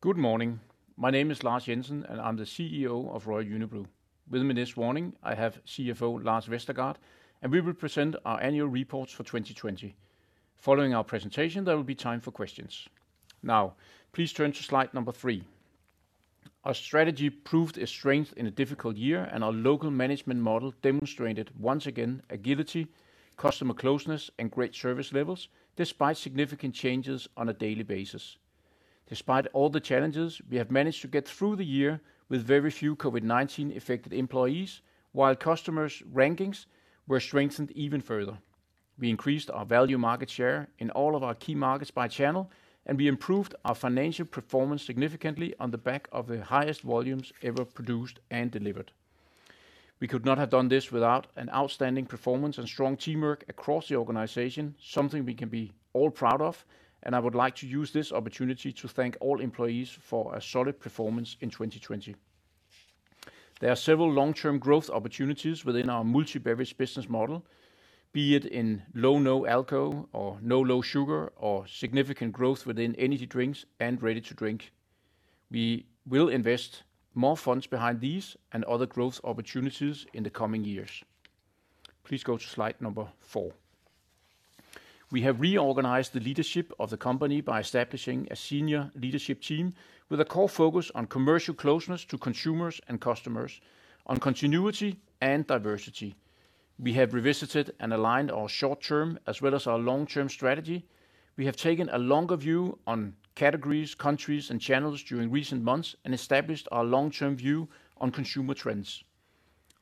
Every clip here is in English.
Good morning. My name is Lars Jensen, and I'm the CEO of Royal Unibrew. With me this morning, I have CFO Lars Vestergaard, and we will present our Annual Reports for 2020. Following our presentation, there will be time for questions. Now, please turn to slide number three. Our strategy proved its strength in a difficult year, and our local management model demonstrated, once again, agility, customer closeness, and great service levels despite significant changes on a daily basis. Despite all the challenges, we have managed to get through the year with very few COVID-19 affected employees, while customers' rankings were strengthened even further. We increased our value market share in all of our key markets by channel, and we improved our financial performance significantly on the back of the highest volumes ever produced and delivered. We could not have done this without an outstanding performance and strong teamwork across the organization, something we can be all proud of, and I would like to use this opportunity to thank all employees for a solid performance in 2020. There are several long-term growth opportunities within our multi-beverage business model, be it in low/no-alco or no/low-sugar, or significant growth within energy drinks and ready-to-drink. We will invest more funds behind these and other growth opportunities in the coming years. Please go to slide number four. We have reorganized the leadership of the company by establishing a senior leadership team with a core focus on commercial closeness to consumers and customers, on continuity and diversity. We have revisited and aligned our short-term as well as our long-term strategy. We have taken a longer view on categories, countries, and channels during recent months and established our long-term view on consumer trends.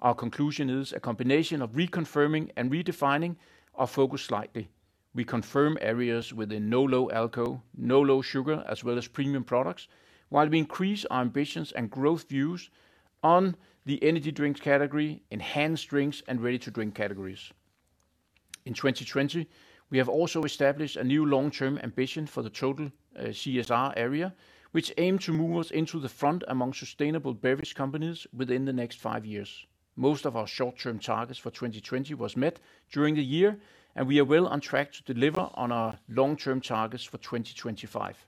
Our conclusion is a combination of reconfirming and redefining our focus slightly. We confirm areas within no/low-alco, no/low-sugar, as well as premium products, while we increase our ambitions and growth views on the energy drinks category, enhanced drinks, and ready-to-drink categories. In 2020, we have also established a new long-term ambition for the total CSR area, which aim to move us into the front among sustainable beverage companies within the next five years. Most of our short-term targets for 2020 was met during the year, and we are well on track to deliver on our long-term targets for 2025.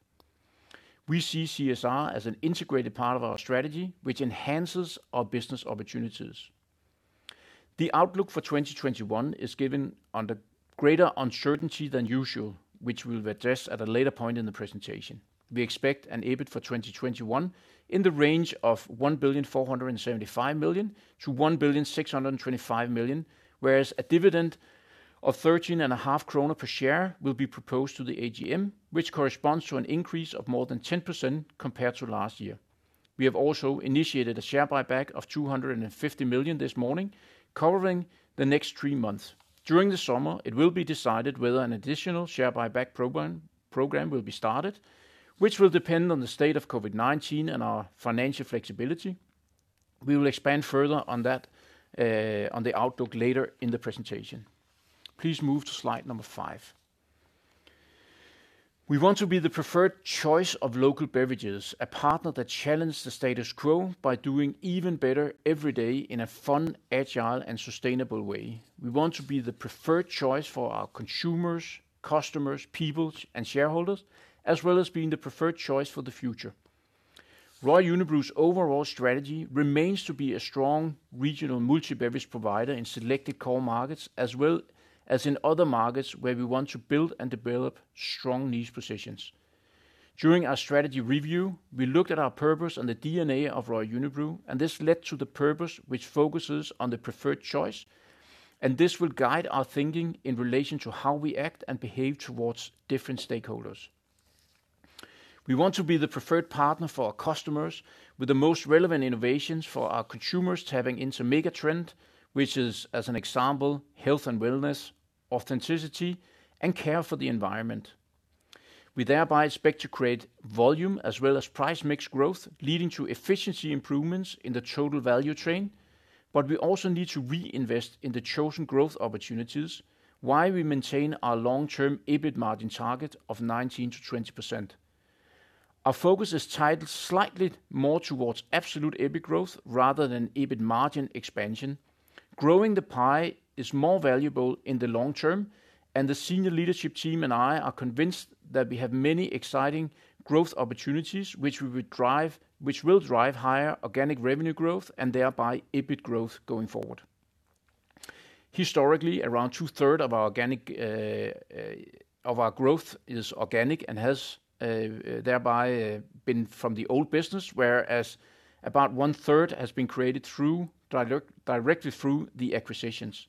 We see CSR as an integrated part of our strategy, which enhances our business opportunities. The outlook for 2021 is given under greater uncertainty than usual, which we'll address at a later point in the presentation. We expect an EBIT for 2021 in the range of 1.475 billion-1.625 billion, whereas a dividend of 13.5 kroner per share will be proposed to the AGM, which corresponds to an increase of more than 10% compared to last year. We have also initiated a share buyback of 250 million this morning, covering the next three months. During the summer, it will be decided whether an additional share buyback program will be started, which will depend on the state of COVID-19 and our financial flexibility. We will expand further on the outlook later in the presentation. Please move to slide number five. We want to be the preferred choice of local beverages, a partner that challenge the status quo by doing even better every day in a fun, agile, and sustainable way. We want to be the preferred choice for our consumers, customers, people, and shareholders, as well as being the preferred choice for the future. Royal Unibrew's overall strategy remains to be a strong regional multi-beverage provider in selected core markets, as well as in other markets where we want to build and develop strong niche positions. During our strategy review, we looked at our purpose and the DNA of Royal Unibrew, and this led to the purpose which focuses on the preferred choice, and this will guide our thinking in relation to how we act and behave towards different stakeholders. We want to be the preferred partner for our customers with the most relevant innovations for our consumers tapping into mega trend, which is, as an example, health and wellness, authenticity, and care for the environment. We thereby expect to create volume as well as price mix growth, leading to efficiency improvements in the total value chain. We also need to reinvest in the chosen growth opportunities while we maintain our long-term EBIT margin target of 19%-20%. Our focus is titled slightly more towards absolute EBIT growth rather than EBIT margin expansion. Growing the pie is more valuable in the long term, and the senior leadership team and I are convinced that we have many exciting growth opportunities which will drive higher organic revenue growth and thereby EBIT growth going forward. Historically, around 2/3 of our growth is organic and has thereby been from the old business, whereas about 1/3 has been created directly through the acquisitions.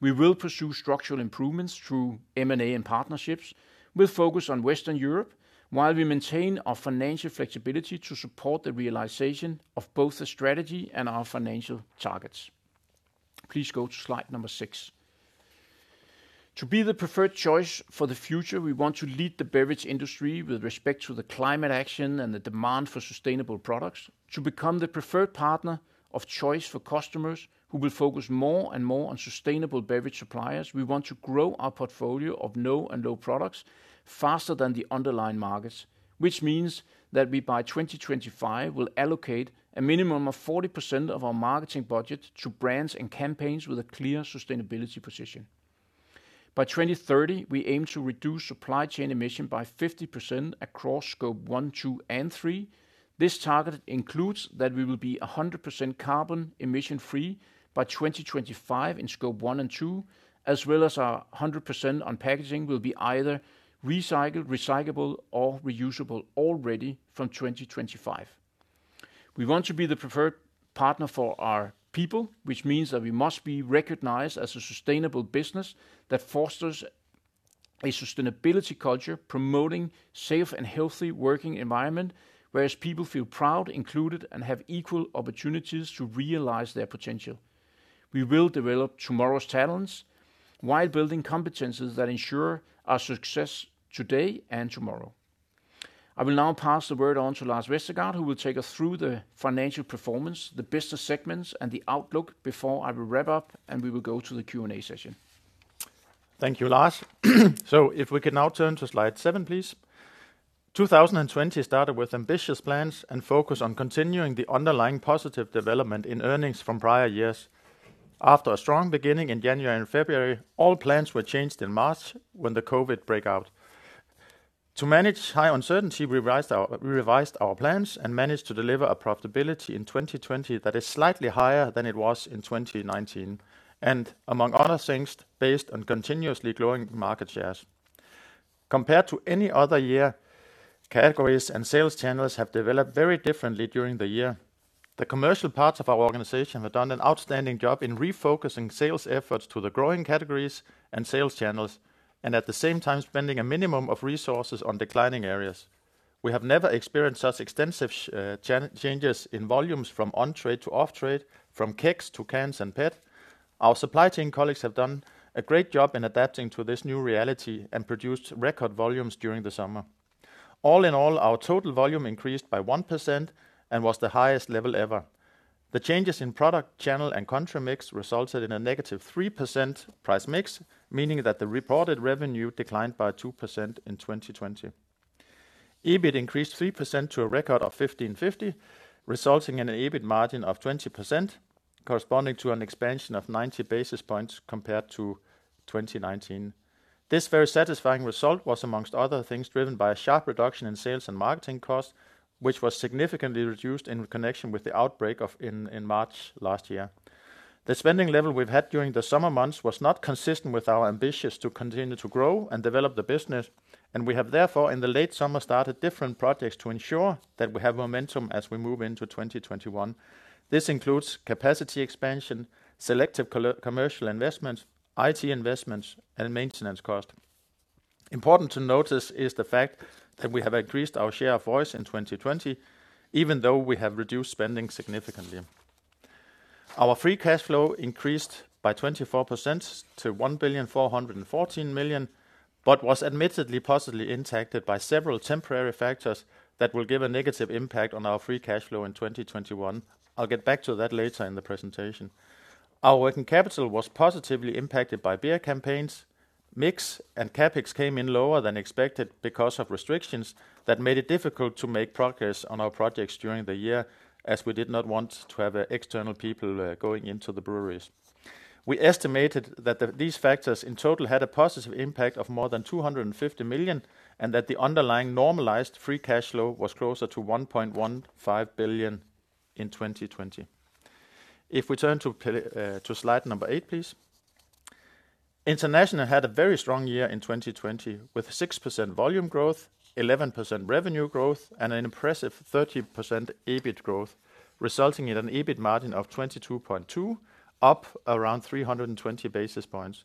We will pursue structural improvements through M&A and partnerships. We'll focus on Western Europe while we maintain our financial flexibility to support the realization of both the strategy and our financial targets. Please go to slide number six. To be the preferred choice for the future, we want to lead the beverage industry with respect to the climate action and the demand for sustainable products. To become the preferred partner of choice for customers who will focus more and more on sustainable beverage suppliers, we want to grow our portfolio of no and low products faster than the underlying markets. Which means that we, by 2025, will allocate a minimum of 40% of our marketing budget to brands and campaigns with a clear sustainability position. By 2030, we aim to reduce supply chain emission by 50% across Scope 1, 2, and 3. This target includes that we will be 100% carbon emission-free by 2025 in Scope 1 and 2, as well as our 100% on packaging will be either recycled, recyclable, or reusable already from 2025. We want to be the preferred partner for our people, which means that we must be recognized as a sustainable business that fosters a sustainability culture promoting safe and healthy working environment, whereas people feel proud, included, and have equal opportunities to realize their potential. We will develop tomorrow's talents while building competencies that ensure our success today and tomorrow. I will now pass the word on to Lars Vestergaard, who will take us through the financial performance, the business segments, and the outlook before I will wrap up and we will go to the Q&A session. Thank you, Lars. If we can now turn to slide seven, please. 2020 started with ambitious plans and focus on continuing the underlying positive development in earnings from prior years. After a strong beginning in January and February, all plans were changed in March when the COVID-19 breakout. To manage high uncertainty, we revised our plans and managed to deliver a profitability in 2020 that is slightly higher than it was in 2019, and among other things, based on continuously growing market shares. Compared to any other year, categories and sales channels have developed very differently during the year. The commercial parts of our organization have done an outstanding job in refocusing sales efforts to the growing categories and sales channels, and at the same time, spending a minimum of resources on declining areas. We have never experienced such extensive changes in volumes from on-trade to off-trade, from kegs to cans and PET. Our supply chain colleagues have done a great job in adapting to this new reality and produced record volumes during the summer. All in all, our total volume increased by 1% and was the highest level ever. The changes in product channel and country mix resulted in a negative 3% price mix, meaning that the reported revenue declined by 2% in 2020. EBIT increased 3% to a record of 1,550 million, resulting in an EBIT margin of 20%, corresponding to an expansion of 90 basis points compared to 2019. This very satisfying result was, amongst other things, driven by a sharp reduction in sales and marketing costs, which was significantly reduced in connection with the outbreak in March last year. The spending level we've had during the summer months was not consistent with our ambitions to continue to grow and develop the business. We have therefore, in the late summer, started different projects to ensure that we have momentum as we move into 2021. This includes capacity expansion, selective commercial investment, IT investments, and maintenance cost. Important to notice is the fact that we have increased our share of voice in 2020, even though we have reduced spending significantly. Our free cash flow increased by 24% to 1,414 million. But, was admittedly positively impacted by several temporary factors that will give a negative impact on our free cash flow in 2021. I'll get back to that later in the presentation. Our working capital was positively impacted by beer campaigns. Mix and CapEx came in lower than expected because of restrictions that made it difficult to make progress on our projects during the year, as we did not want to have external people going into the breweries. We estimated that these factors in total had a positive impact of more than 250 million, and that the underlying normalized free cash flow was closer to 1.15 billion in 2020. If we turn to slide number eight, please. International had a very strong year in 2020 with 6% volume growth, 11% revenue growth, and an impressive 30% EBIT growth, resulting in an EBIT margin of 22.2, up around 320 basis points.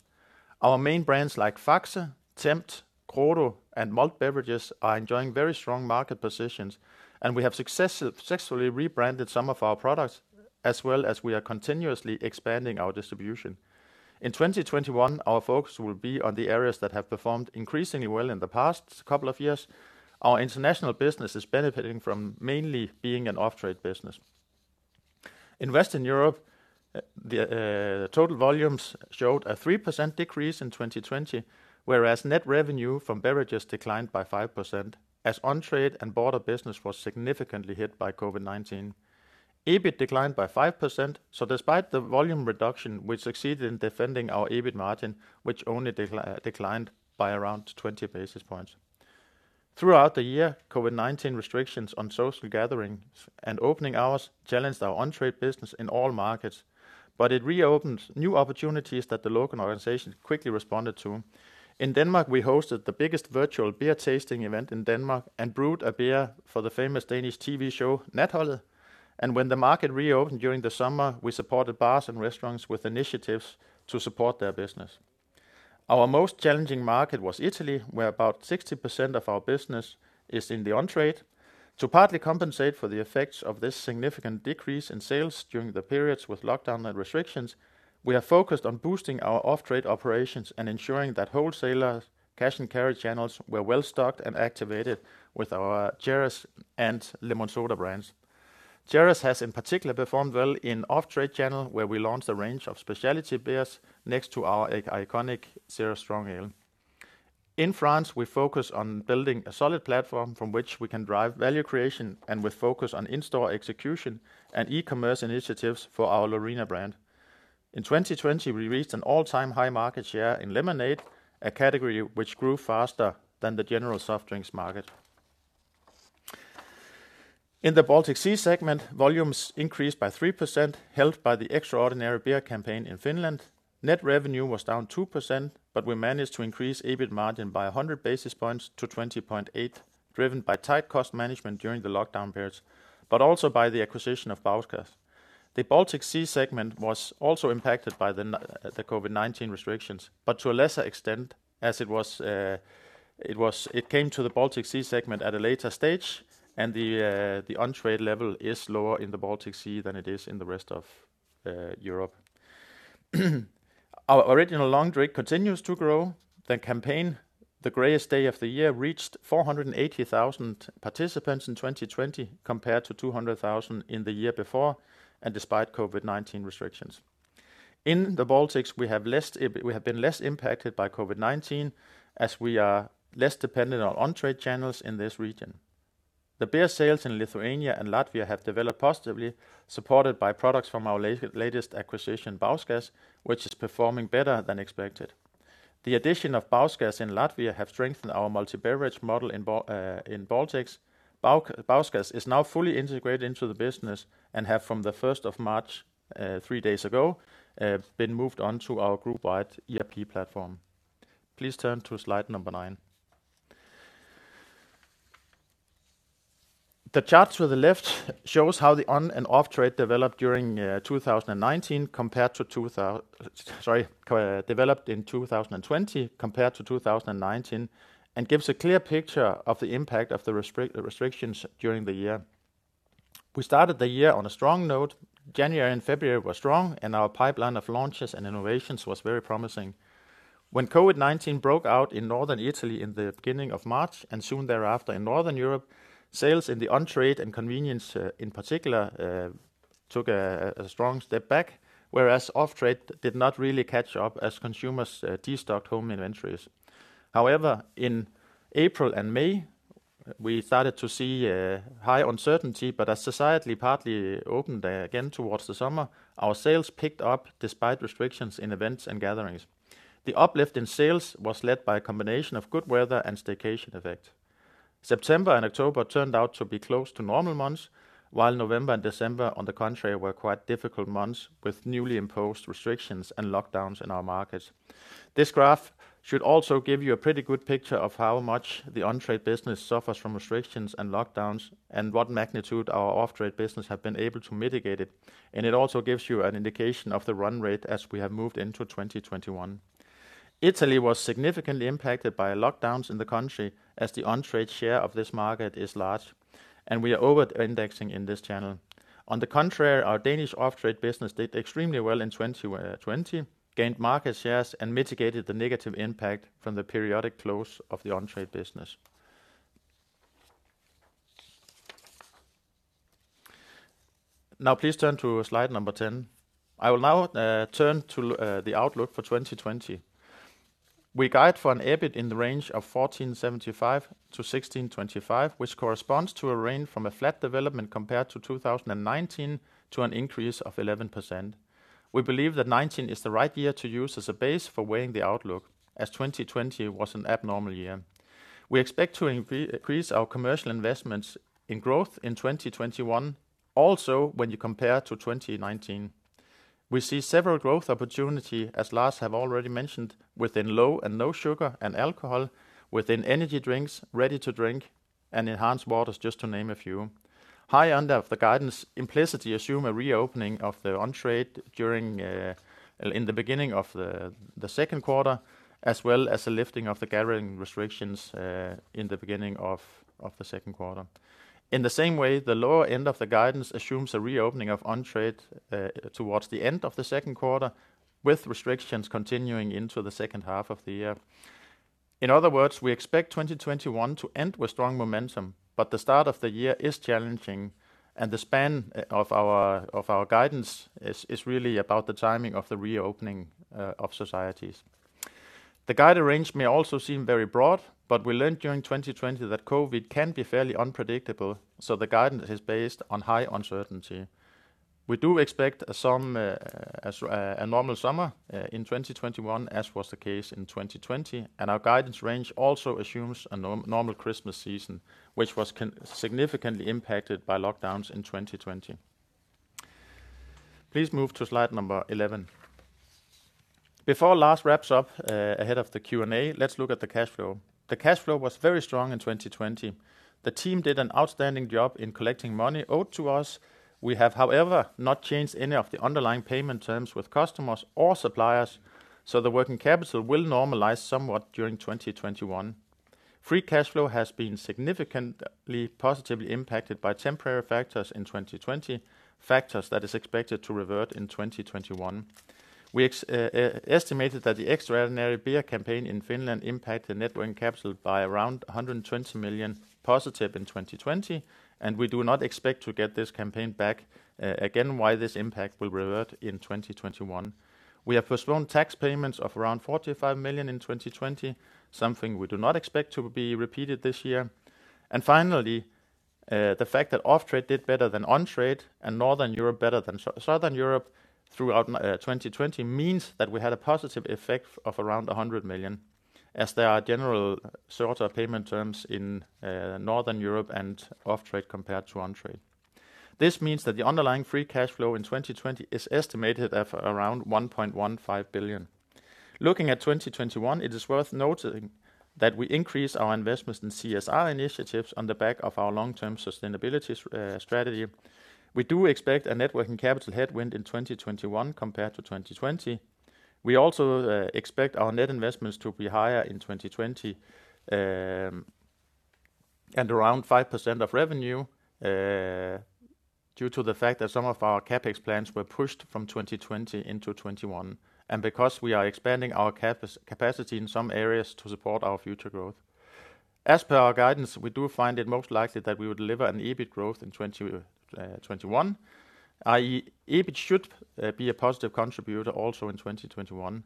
Our main brands like Faxe, Tempt, Grolsch, and malt beverages are enjoying very strong market positions, and we have successfully rebranded some of our products as well as we are continuously expanding our distribution. In 2021, our focus will be on the areas that have performed increasingly well in the past couple of years. Our international business is benefiting from mainly being an off-trade business. In Western Europe, the total volumes showed a 3% decrease in 2020, whereas net revenue from beverages declined by 5%, as on-trade and border business was significantly hit by COVID-19. EBIT declined by 5%, so despite the volume reduction, we succeeded in defending our EBIT margin, which only declined by around 20 basis points. Throughout the year, COVID-19 restrictions on social gatherings and opening hours challenged our on-trade business in all markets, but it reopened new opportunities that the local organizations quickly responded to. In Denmark, we hosted the biggest virtual beer tasting event in Denmark and brewed a beer for the famous Danish TV show, Natholdet. When the market reopened during the summer, we supported bars and restaurants with initiatives to support their business. Our most challenging market was Italy, where about 60% of our business is in the on-trade. To partly compensate for the effects of this significant decrease in sales during the periods with lockdown and restrictions, we are focused on boosting our off-trade operations and ensuring that wholesaler cash and carry channels were well-stocked and activated with our Ceres and LemonSoda brands. Ceres has in particular performed well in off-trade channel, where we launched a range of specialty beers next to our iconic Ceres Strong Ale. In France, we focus on building a solid platform from which we can drive value creation, and we focus on in-store execution and e-commerce initiatives for our Lorina brand. In 2020, we reached an all-time high market share in lemonade, a category which grew faster than the general soft drinks market. In the Baltic Sea segment, volumes increased by 3%, helped by the extraordinary beer campaign in Finland. Net revenue was down 2%, but we managed to increase EBIT margin by 100 basis points to 20.8%, driven by tight cost management during the lockdown periods, but also by the acquisition of Bauskas. The Baltic Sea segment was also impacted by the COVID-19 restrictions, but to a lesser extent as it came to the Baltic Sea segment at a later stage and the on-trade level is lower in the Baltic Sea than it is in the rest of Europe. Our Original Long Drink continues to grow. The campaign, The Greyest Day of the Year, reached 480,000 participants in 2020 compared to 200,000 in the year before, and despite COVID-19 restrictions. In the Baltics, we have been less impacted by COVID-19 as we are less dependent on on-trade channels in this region. The beer sales in Lithuania and Latvia have developed positively, supported by products from our latest acquisition, Bauskas, which is performing better than expected. The addition of Bauskas in Latvia have strengthened our multi-beverage model in Baltics. Bauskas is now fully integrated into the business and have, from the 1st of March, three days ago, been moved onto our group-wide ERP platform. Please turn to slide number nine. The chart to the left shows how the on and off-trade developed in 2020 compared to 2019, and gives a clear picture of the impact of the restrictions during the year. We started the year on a strong note. January and February were strong, and our pipeline of launches and innovations was very promising. When COVID-19 broke out in northern Italy in the beginning of March, and soon thereafter in northern Europe, sales in the on-trade and convenience, in particular, took a strong step back, whereas off-trade did not really catch up as consumers destocked home inventories. In April and May, we started to see high uncertainty, but as society partly opened again towards the summer, our sales picked up despite restrictions in events and gatherings. The uplift in sales was led by a combination of good weather and staycation effect. September and October turned out to be close to normal months, while November and December, on the contrary, were quite difficult months, with newly imposed restrictions and lockdowns in our markets. This graph should also give you a pretty good picture of how much the on-trade business suffers from restrictions and lockdowns, and what magnitude our off-trade business have been able to mitigate it, and it also gives you an indication of the run rate as we have moved into 2021. Italy was significantly impacted by lockdowns in the country as the on-trade share of this market is large, and we are over-indexing in this channel. On the contrary, our Danish off-trade business did extremely well in 2020, gained market shares, and mitigated the negative impact from the periodic close of the on-trade business. Now please turn to slide number 10. I will now turn to the outlook for 2020. We guide for an EBIT in the range of 1,475 million-1,625 million, which corresponds to a range from a flat development compared to 2019 to an increase of 11%. We believe that 2019 is the right year to use as a base for weighing the outlook, as 2020 was an abnormal year. We expect to increase our commercial investments in growth in 2021, also, when you compare to 2019. We see several growth opportunity, as Lars have already mentioned, within low and no sugar and alcohol, within energy drinks, ready-to-drink, and enhanced waters, just to name a few. High end of the guidance implicitly assume a reopening of the on-trade in the beginning of the second quarter, as well as a lifting of the gathering restrictions in the beginning of the second quarter. In the same way, the lower end of the guidance assumes a reopening of on-trade towards the end of the second quarter, with restrictions continuing into the second half of the year. In other words, we expect 2021 to end with strong momentum, but the start of the year is challenging, and the span of our guidance is really about the timing of the reopening of societies. The guide range may also seem very broad, but we learned during 2020 that COVID can be fairly unpredictable. The guidance is based on high uncertainty. We do expect a normal summer in 2021, as was the case in 2020. Our guidance range also assumes a normal Christmas season, which was significantly impacted by lockdowns in 2020. Please move to slide number 11. Before Lars wraps up ahead of the Q&A, let's look at the cash flow. The cash flow was very strong in 2020. The team did an outstanding job in collecting money owed to us. We have, however, not changed any of the underlying payment terms with customers or suppliers. The working capital will normalize somewhat during 2021. Free cash flow has been significantly positively impacted by temporary factors in 2020, factors that is expected to revert in 2021. We estimated that the extraordinary beer campaign in Finland impact the net working capital by around 120 million positive in 2020. We do not expect to get this campaign back again, why this impact will revert in 2021. We have postponed tax payments of around 45 million in 2020, something we do not expect to be repeated this year. Finally, the fact that off-trade did better than on-trade, and Northern Europe better than Southern Europe throughout 2020 means that we had a positive effect of around 100 million, as there are general shorter payment terms in Northern Europe and off-trade compared to on-trade. This means that the underlying free cash flow in 2020 is estimated at around 1.15 billion. Looking at 2021, it is worth noting that we increased our investments in CSR initiatives on the back of our long-term sustainability strategy. We do expect a net working capital headwind in 2021 compared to 2020. We also expect our net investments to be higher in 2021, and around 5% of revenue, due to the fact that some of our CapEx plans were pushed from 2020 into 2021, and because we are expanding our capacity in some areas to support our future growth. As per our guidance, we do find it most likely that we would deliver an EBIT growth in 2021, i.e. EBIT should be a positive contributor also in 2021.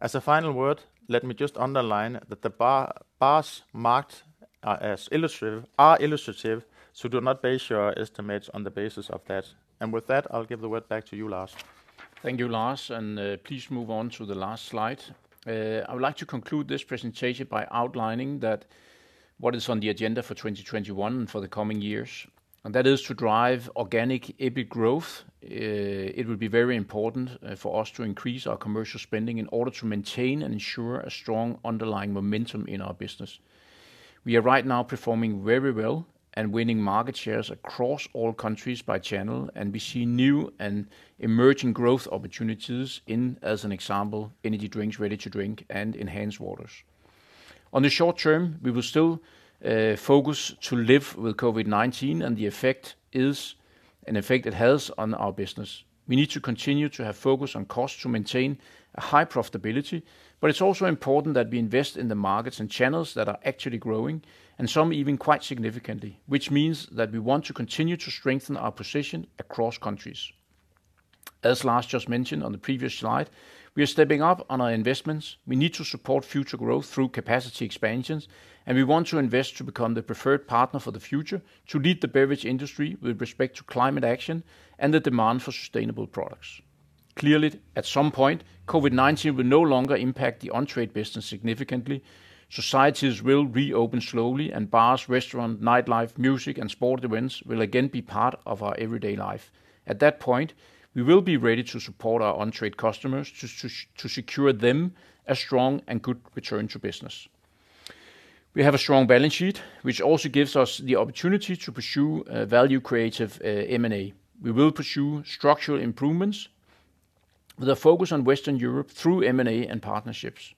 As a final word, let me just underline that the bars marked as illustrative are illustrative, so do not base your estimates on the basis of that. With that, I'll give the word back to you, Lars. Thank you, Lars, and please move on to the last slide. I would like to conclude this presentation by outlining that what is on the agenda for 2021 and for the coming years, and that is to drive organic EBIT growth. It will be very important for us to increase our commercial spending in order to maintain and ensure a strong underlying momentum in our business. We are right now performing very well and winning market shares across all countries by channel, and we see new and emerging growth opportunities in, as an example, energy drinks, ready to drink, and enhanced waters. On the short term, we will still focus to live with COVID-19 and the effect it has on our business. We need to continue to have focus on cost to maintain a high profitability, but it's also important that we invest in the markets and channels that are actually growing, and some even quite significantly, which means that we want to continue to strengthen our position across countries. As Lars just mentioned on the previous slide, we are stepping up on our investments. We need to support future growth through capacity expansions, and we want to invest to become the preferred partner for the future to lead the beverage industry with respect to climate action and the demand for sustainable products. Clearly, at some point, COVID-19 will no longer impact the on-trade business significantly. Societies will reopen slowly and bars, restaurant, nightlife, music, and sport events will again be part of our everyday life. At that point, we will be ready to support our on-trade customers to secure them a strong and good return to business. We have a strong balance sheet, which also gives us the opportunity to pursue value-creative M&A. We will pursue structural improvements with a focus on Western Europe through M&A and partnerships.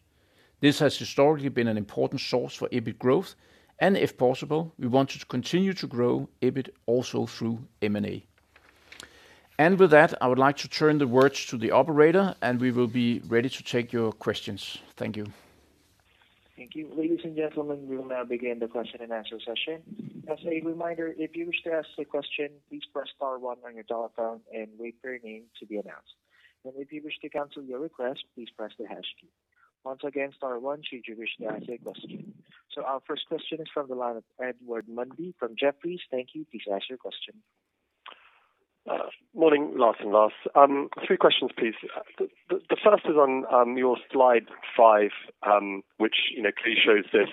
This has historically been an important source for EBIT growth, and if possible, we want to continue to grow EBIT also through M&A. With that, I would like to turn the words to the operator, and we will be ready to take your questions. Thank you. Thank you. Ladies and gentlemen, we will now begin the question and answer session. As a reminder, if you wish to ask a question, please press star one on your telephone and wait for your name to be announced. If you wish to cancel your request, please press the hash key. Once again, star one should you wish to ask a question. Our first question is from the line of Edward Mundy from Jefferies. Thank you. Please ask your question. Morning, Lars and Lars. Three questions, please. The first is on your slide five, which clearly shows this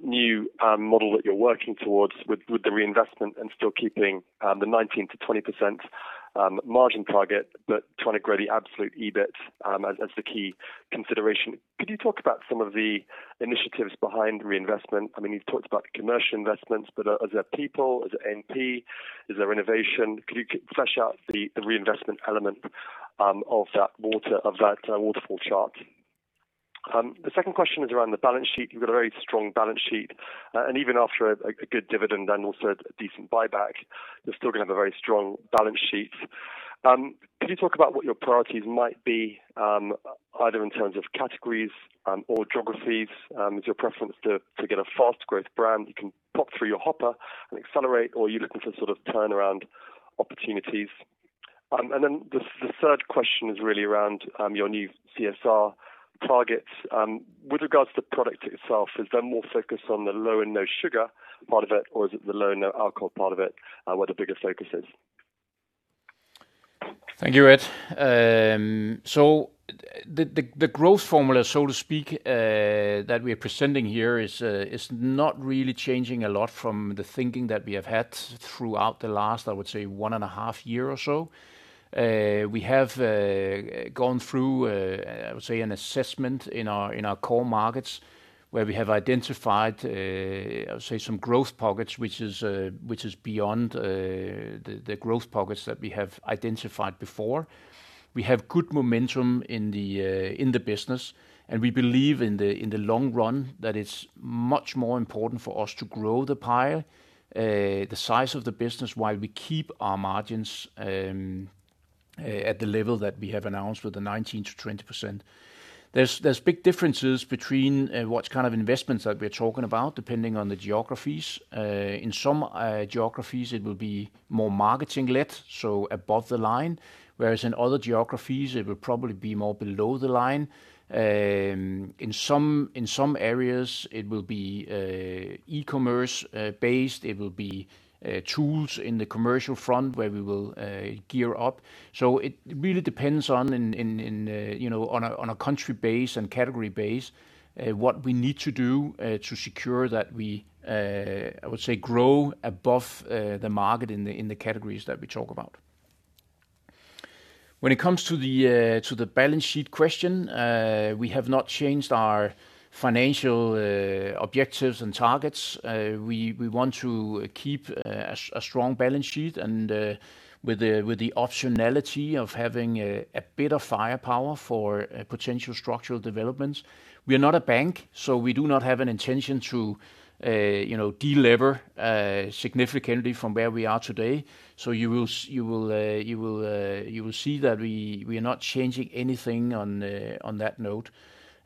new model that you're working towards with the reinvestment and still keeping the 19%-20% margin target, but trying to grow the absolute EBIT as the key consideration. Could you talk about some of the initiatives behind reinvestment? You've talked about commercial investments, but is it people? Is it A&P? Is there innovation? Could you flesh out the reinvestment element of that waterfall chart? The second question is around the balance sheet. You've got a very strong balance sheet, and even after a good dividend and also a decent buyback, you're still going to have a very strong balance sheet. Could you talk about what your priorities might be, either in terms of categories or geographies? Is your preference to get a fast growth brand you can pop through your hopper and accelerate, or are you looking for turnaround opportunities? The third question is really around your new CSR targets. With regards to the product itself, is there more focus on the low and no sugar part of it, or is it the low and no alcohol part of it, where the bigger focus is? Thank you, Ed. The growth formula, so to speak, that we're presenting here is not really changing a lot from the thinking that we have had throughout the last, I would say, one and a half year or so. We have gone through, I would say, an assessment in our core markets where we have identified, I would say, some growth pockets, which is beyond the growth pockets that we have identified before. We have good momentum in the business, and we believe in the long run that it's much more important for us to grow the pile, the size of the business, while we keep our margins at the level that we have announced with the 19%-20%. There's big differences between what kind of investments that we are talking about, depending on the geographies. In some geographies, it will be more marketing led, so above the line. Whereas in other geographies, it will probably be more below the line. In some areas, it will be e-commerce based, it will be tools in the commercial front where we will gear up. It really depends on a country base and category base, what we need to do to secure that we, I would say, grow above the market in the categories that we talk about. When it comes to the balance sheet question, we have not changed our financial objectives and targets. We want to keep a strong balance sheet and with the optionality of having a bit of firepower for potential structural developments. We are not a bank, we do not have an intention to de-lever significantly from where we are today. You will see that we are not changing anything on that note.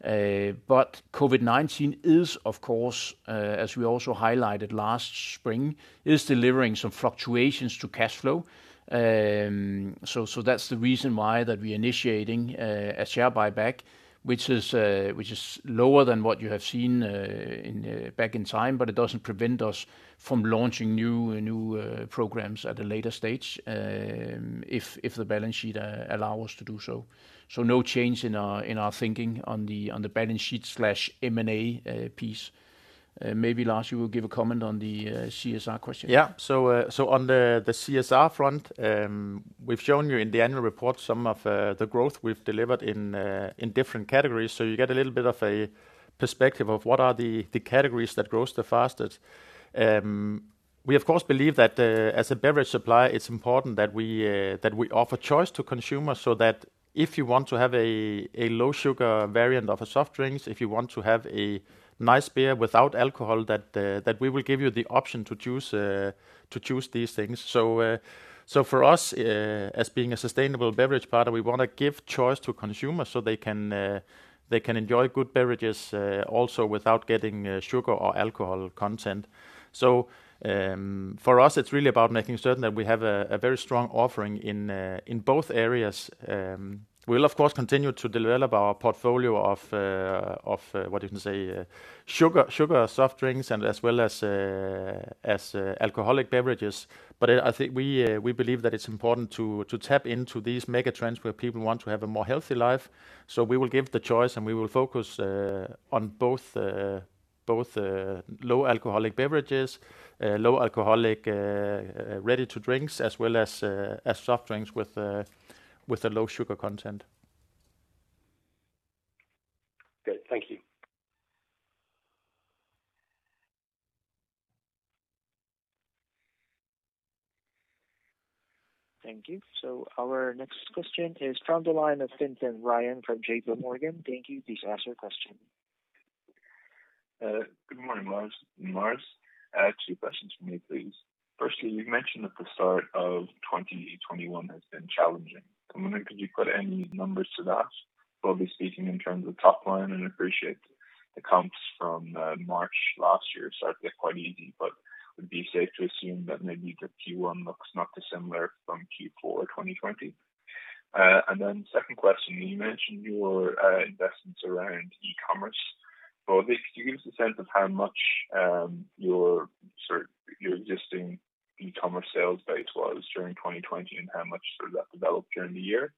COVID-19 is, of course, as we also highlighted last spring, is delivering some fluctuations to cash flow. That's the reason why that we initiating a share buyback, which is lower than what you have seen back in time, but it doesn't prevent us from launching new programs at a later stage, if the balance sheet allow us to do so. No change in our thinking on the balance sheet/M&A piece. Maybe Lars, you will give a comment on the CSR question. Yeah. So, on the CSR front, we've shown you in the annual report some of the growth we've delivered in different categories. You get a little bit of a perspective of what are the categories that grows the fastest. We, of course, believe that as a beverage supplier, it's important that we offer choice to consumers so that if you want to have a low sugar variant of a soft drinks, if you want to have a nice beer without alcohol, that we will give you the option to choose these things. For us, as being a sustainable beverage partner, we want to give choice to consumers so they can enjoy good beverages, also without getting sugar or alcohol content. For us, it's really about making certain that we have a very strong offering in both areas. We'll, of course, continue to develop our portfolio of what you can say, sugar soft drinks and as well as alcoholic beverages. But I think we believe that it's important to tap into these mega trends where people want to have a more healthy life. So we will give the choice, and we will focus on both low alcoholic beverages, low alcoholic ready to drinks, as well as soft drinks with a low sugar content. Great. Thank you. Thank you. Our next question is from the line of Celine Pannuti from JPMorgan. Thank you. Please ask your question. Good morning, Lars. Two questions from me, please. Firstly, you've mentioned that the start of 2021 has been challenging. I'm wondering, could you put any numbers to that, broadly speaking, in terms of top line? Appreciate the comps from March last year, so they're quite easy, but would it be safe to assume that maybe the Q1 looks not dissimilar from Q4 2020? Second question, you mentioned your investments around e-commerce. Broadly, could you give us a sense of how much your existing e-commerce sales base was during 2020, and how much has that developed during the year?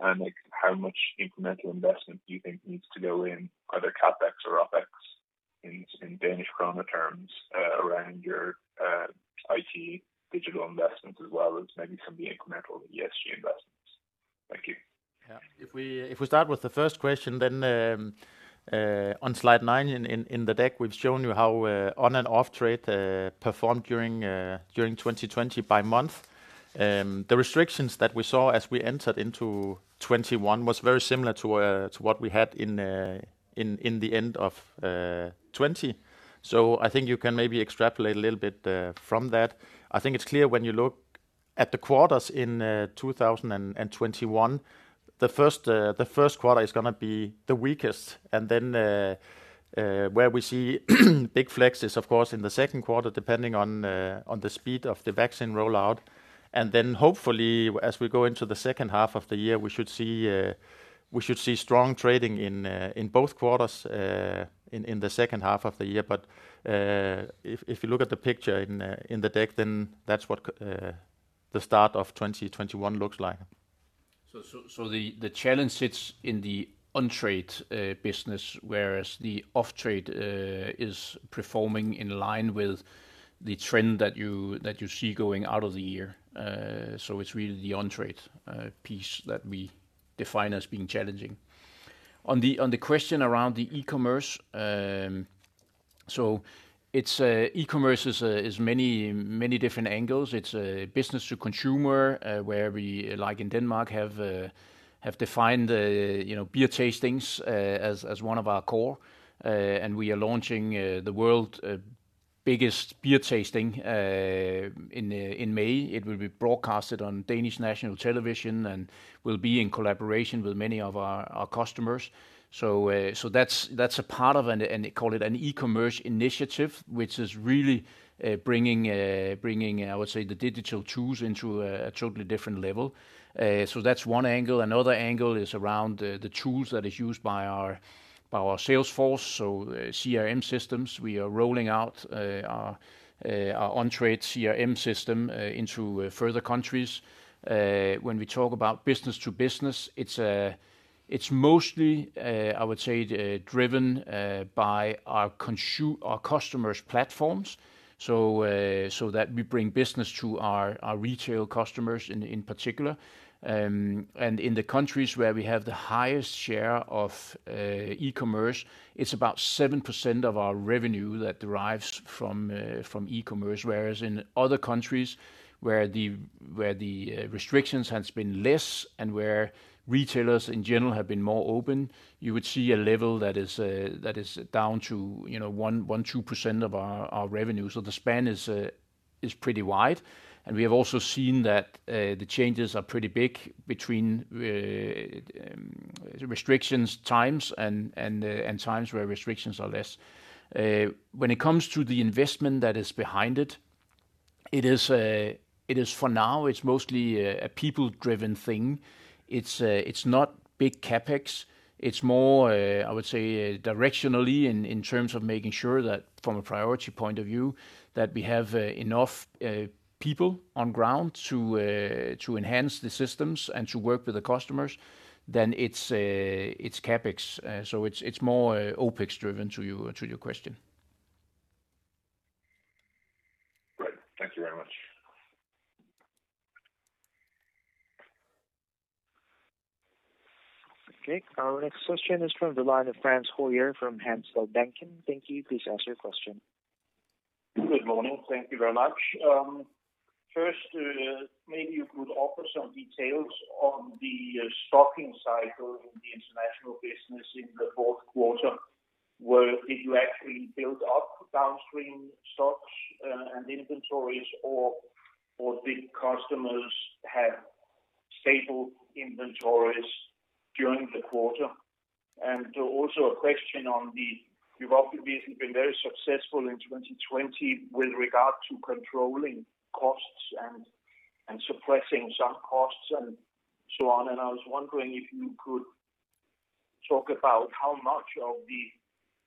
How much incremental investment do you think needs to go in either CapEx or OpEx in DKK terms, around your IT digital investments as well as maybe some of the incremental ESG investments? Thank you. If we start with the first question, then on slide nine in the deck, we've shown you how on and off trade performed during 2020 by month. The restrictions that we saw as we entered into 2021 was very similar to what we had in the end of 2020. I think you can maybe extrapolate a little bit from that. I think it's clear when you look at the quarters in 2021, the first quarter is going to be the weakest, and then where we see big flex is, of course, in the second quarter, depending on the speed of the vaccine rollout. Hopefully, as we go into the second half of the year, we should see strong trading in both quarters in the second half of the year. If you look at the picture in the deck, then that's what the start of 2021 looks like. The challenge sits in the on-trade business, whereas the off-trade is performing in line with the trend that you see going out of the year. It's really the on-trade piece that we define as being challenging. On the question around the e-commerce. E-commerce is many different angles. It's business to consumer, where we, like in Denmark, have defined beer tastings as one of our core, and we are launching the world's biggest beer tasting in May. It will be broadcasted on Danish national television and will be in collaboration with many of our customers. That's a part of, and call it an e-commerce initiative, which is really bringing, I would say, the digital tools into a totally different level. That's one angle. Another angle is around the tools that are used by our sales force. CRM systems, we are rolling out our on-trade CRM system into further countries. When we talk about business to business, it's mostly, I would say, driven by our customers' platforms, so that we bring business to our retail customers in particular. In the countries where we have the highest share of e-commerce, it's about 7% of our revenue that derives from e-commerce. Whereas in other countries where the restrictions has been less and where retailers in general have been more open, you would see a level that is down to 1%-2% of our revenue. The span is pretty wide, and we have also seen that the changes are pretty big between restrictions times and times where restrictions are less. When it comes to the investment that is behind it, for now, it's mostly a people driven thing. It's not big CapEx. It's more, I would say, directionally in terms of making sure that from a priority point of view, that we have enough people on ground to enhance the systems and to work with the customers, then it's CapEx. It's more OpEx driven to your question. Great. Thank you very much. Okay. Our next question is from the line of Frans Hoyer from Handelsbanken. Thank you. Please ask your question. Good morning. Thank you very much. First, maybe you could offer some details on the stocking cycle in the international business in the fourth quarter, where did you actually build up downstream stocks and inventories, or did customers have stable inventories during the quarter? Also a question on the, you've obviously been very successful in 2020 with regard to controlling costs and suppressing some costs and so on. I was wondering if you could talk about how much of the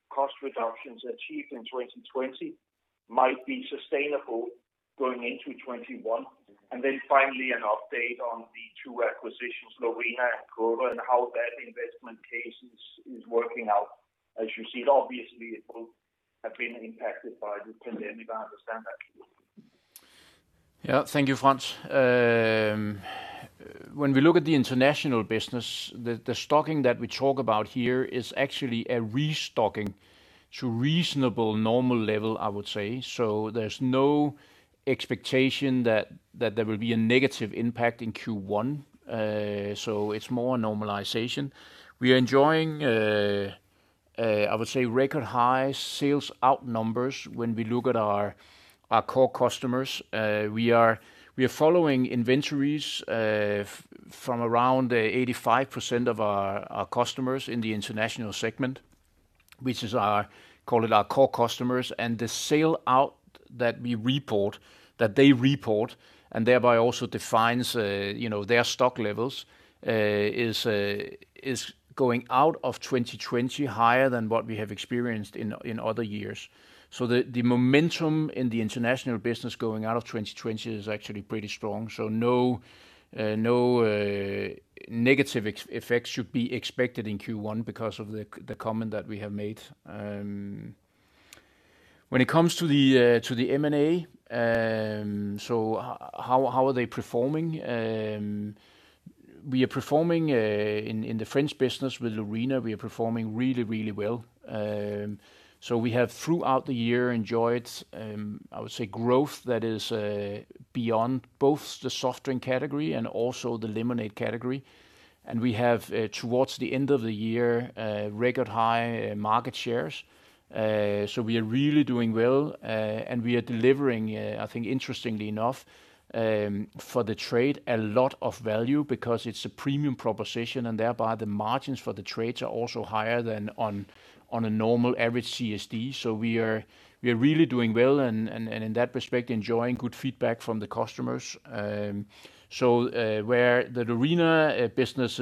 cost reductions achieved in 2020 might be sustainable going into 2021? Finally, an update on the two acquisitions, Lorina and Crodo. How that investment case is working out. As you see it, obviously it will have been impacted by the pandemic, I understand that. Thank you, Frans. When we look at the international business, the stocking that we talk about here is actually a restocking to reasonable normal level, I would say. There's no expectation that there will be a negative impact in Q1. It's more a normalization. We are enjoying, I would say, record high sales out numbers when we look at our core customers. We are following inventories from around 85% of our customers in the international segment, which is our, call it our core customers. The sale out that we report, that they report and thereby also defines their stock levels, is going out of 2020 higher than what we have experienced in other years. The momentum in the international business going out of 2020 is actually pretty strong. No negative effects should be expected in Q1 because of the comment that we have made. When it comes to the M&A, how are they performing? We are performing, in the French business with Lorina, we are performing really, really well. We have, throughout the year, enjoyed, I would say, growth that is beyond both the soft drink category and also the lemonade category. We have, towards the end of the year, record high market shares. We are really doing well, and we are delivering, I think interestingly enough, for the trade, a lot of value because it's a premium proposition, and thereby the margins for the trades are also higher than on a normal average CSD. We are really doing well and in that respect, enjoying good feedback from the customers. Where the Lorina business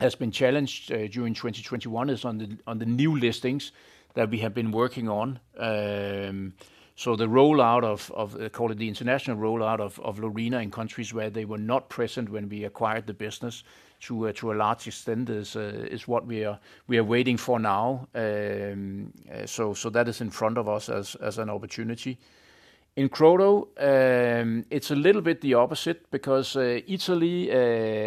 has been challenged during 2021 is on the new listings that we have been working on. The rollout of, call it the international rollout of Lorina in countries where they were not present when we acquired the business to a large extent is what we are waiting for now. That is in front of us as an opportunity. In Crodo, it's a little bit the opposite because Italy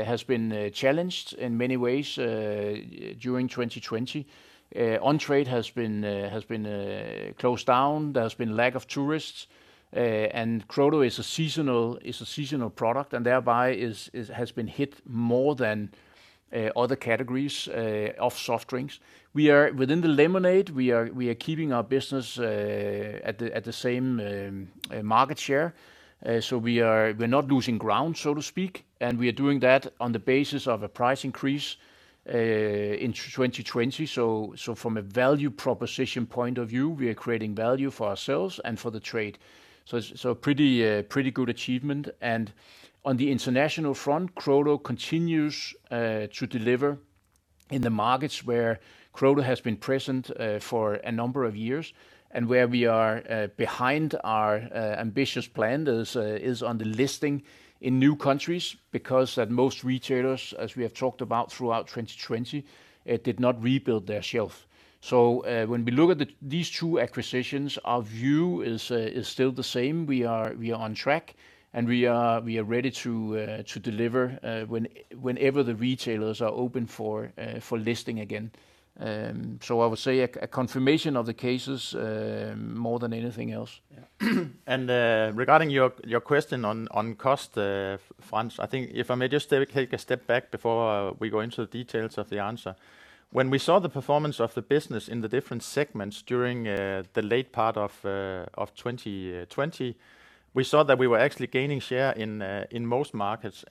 has been challenged in many ways during 2020. On-trade has been closed down. There has been lack of tourists, and Crodo is a seasonal product, and thereby has been hit more than other categories of soft drinks. Within the lemonade, we are keeping our business at the same market share. We're not losing ground, so to speak, and we are doing that on the basis of a price increase in 2020. From a value proposition point of view, we are creating value for ourselves and for the trade. Pretty good achievement. On the international front, Crodo continues to deliver in the markets where Crodo has been present for a number of years, and where we are behind our ambitious plan is on the listing in new countries, because at most retailers, as we have talked about throughout 2020, did not rebuild their shelf. When we look at these two acquisitions, our view is still the same. We are on track, and we are ready to deliver whenever the retailers are open for listing again. I would say a confirmation of the cases more than anything else. Yeah. Regarding your question on cost, Frans, I think if I may just take a step back before we go into the details of the answer. When we saw the performance of the business in the different segments during the late part of 2020, we saw that we were actually gaining share in most markets.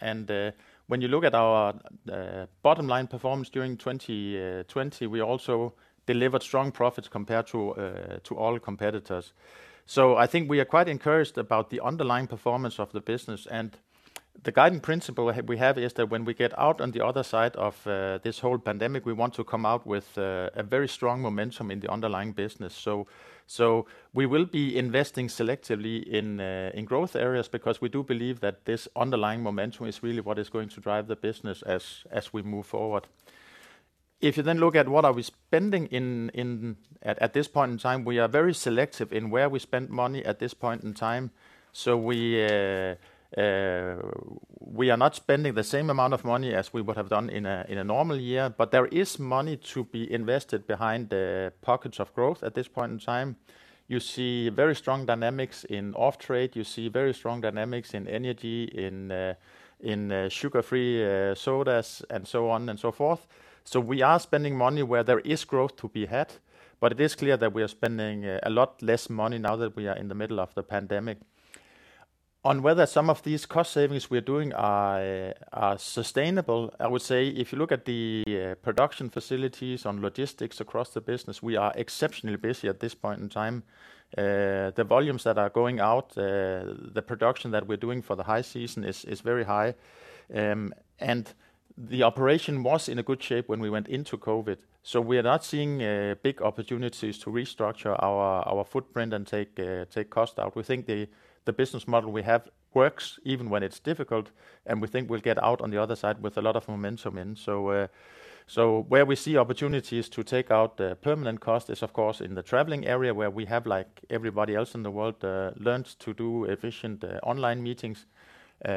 When you look at our bottom line performance during 2020, we also delivered strong profits compared to all competitors. I think we are quite encouraged about the underlying performance of the business. The guiding principle we have is that when we get out on the other side of this whole pandemic, we want to come out with a very strong momentum in the underlying business. We will be investing selectively in growth areas because we do believe that this underlying momentum is really what is going to drive the business as we move forward. If you look at what are we spending at this point in time, we are very selective in where we spend money at this point in time. We are not spending the same amount of money as we would have done in a normal year, but there is money to be invested behind the pockets of growth at this point in time. You see very strong dynamics in off-trade. You see very strong dynamics in energy, in sugar-free sodas, and so on and so forth. We are spending money where there is growth to be had, but it is clear that we are spending a lot less money now that we are in the middle of the COVID-19 pandemic. On whether some of these cost savings we're doing are sustainable, I would say if you look at the production facilities on logistics across the business, we are exceptionally busy at this point in time. The volumes that are going out, the production that we're doing for the high season is very high. The operation was in a good shape when we went into COVID-19. We are not seeing big opportunities to restructure our footprint and take cost out. We think the business model we have works even when it's difficult, and we think we'll get out on the other side with a lot of momentum in. Where we see opportunities to take out permanent cost is, of course, in the traveling area where we have, like everybody else in the world, learned to do efficient online meetings. We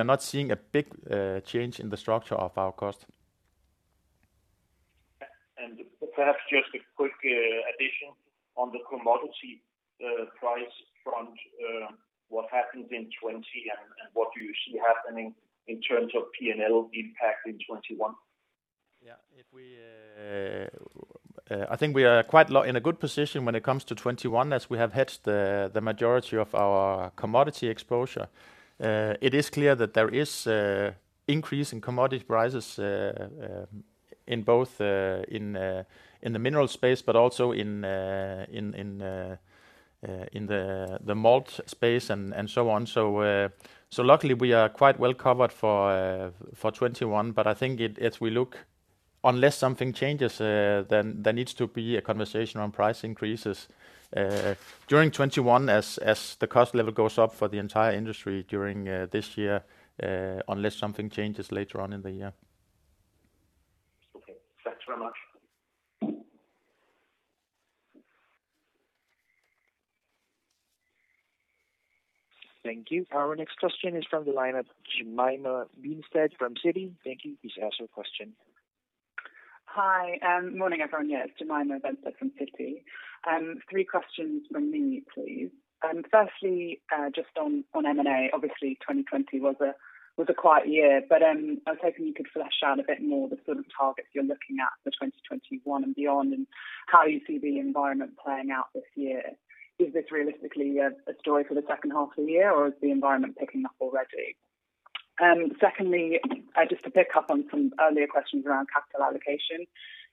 are not seeing a big change in the structure of our cost. Perhaps just a quick addition on the commodity price front, what happened in 2020 and what do you see happening in terms of P&L impact in 2021? I think we are quite in a good position when it comes to 2021, as we have hedged the majority of our commodity exposure. It is clear that there is increase in commodity prices in both the mineral space, but also in the malt space and so on. Luckily, we are quite well covered for 2021. I think as we look, unless something changes, then there needs to be a conversation on price increases during 2021 as the cost level goes up for the entire industry during this year, unless something changes later on in the year. Okay. Thanks very much. Thank you. Our next question is from the line of Jemima Benstead from Citi. Thank you. Please ask your question. Hi. Morning, everyone. Yeah, it's Jemima Benstead from Citi. Three questions from me, please. Firstly, just on M&A, obviously 2020 was a quiet year, I was hoping you could flesh out a bit more the sort of targets you're looking at for 2021 and beyond, and how you see the environment playing out this year. Is this realistically a story for the second half of the year, or is the environment picking up already? Secondly, just to pick up on some earlier questions around capital allocation.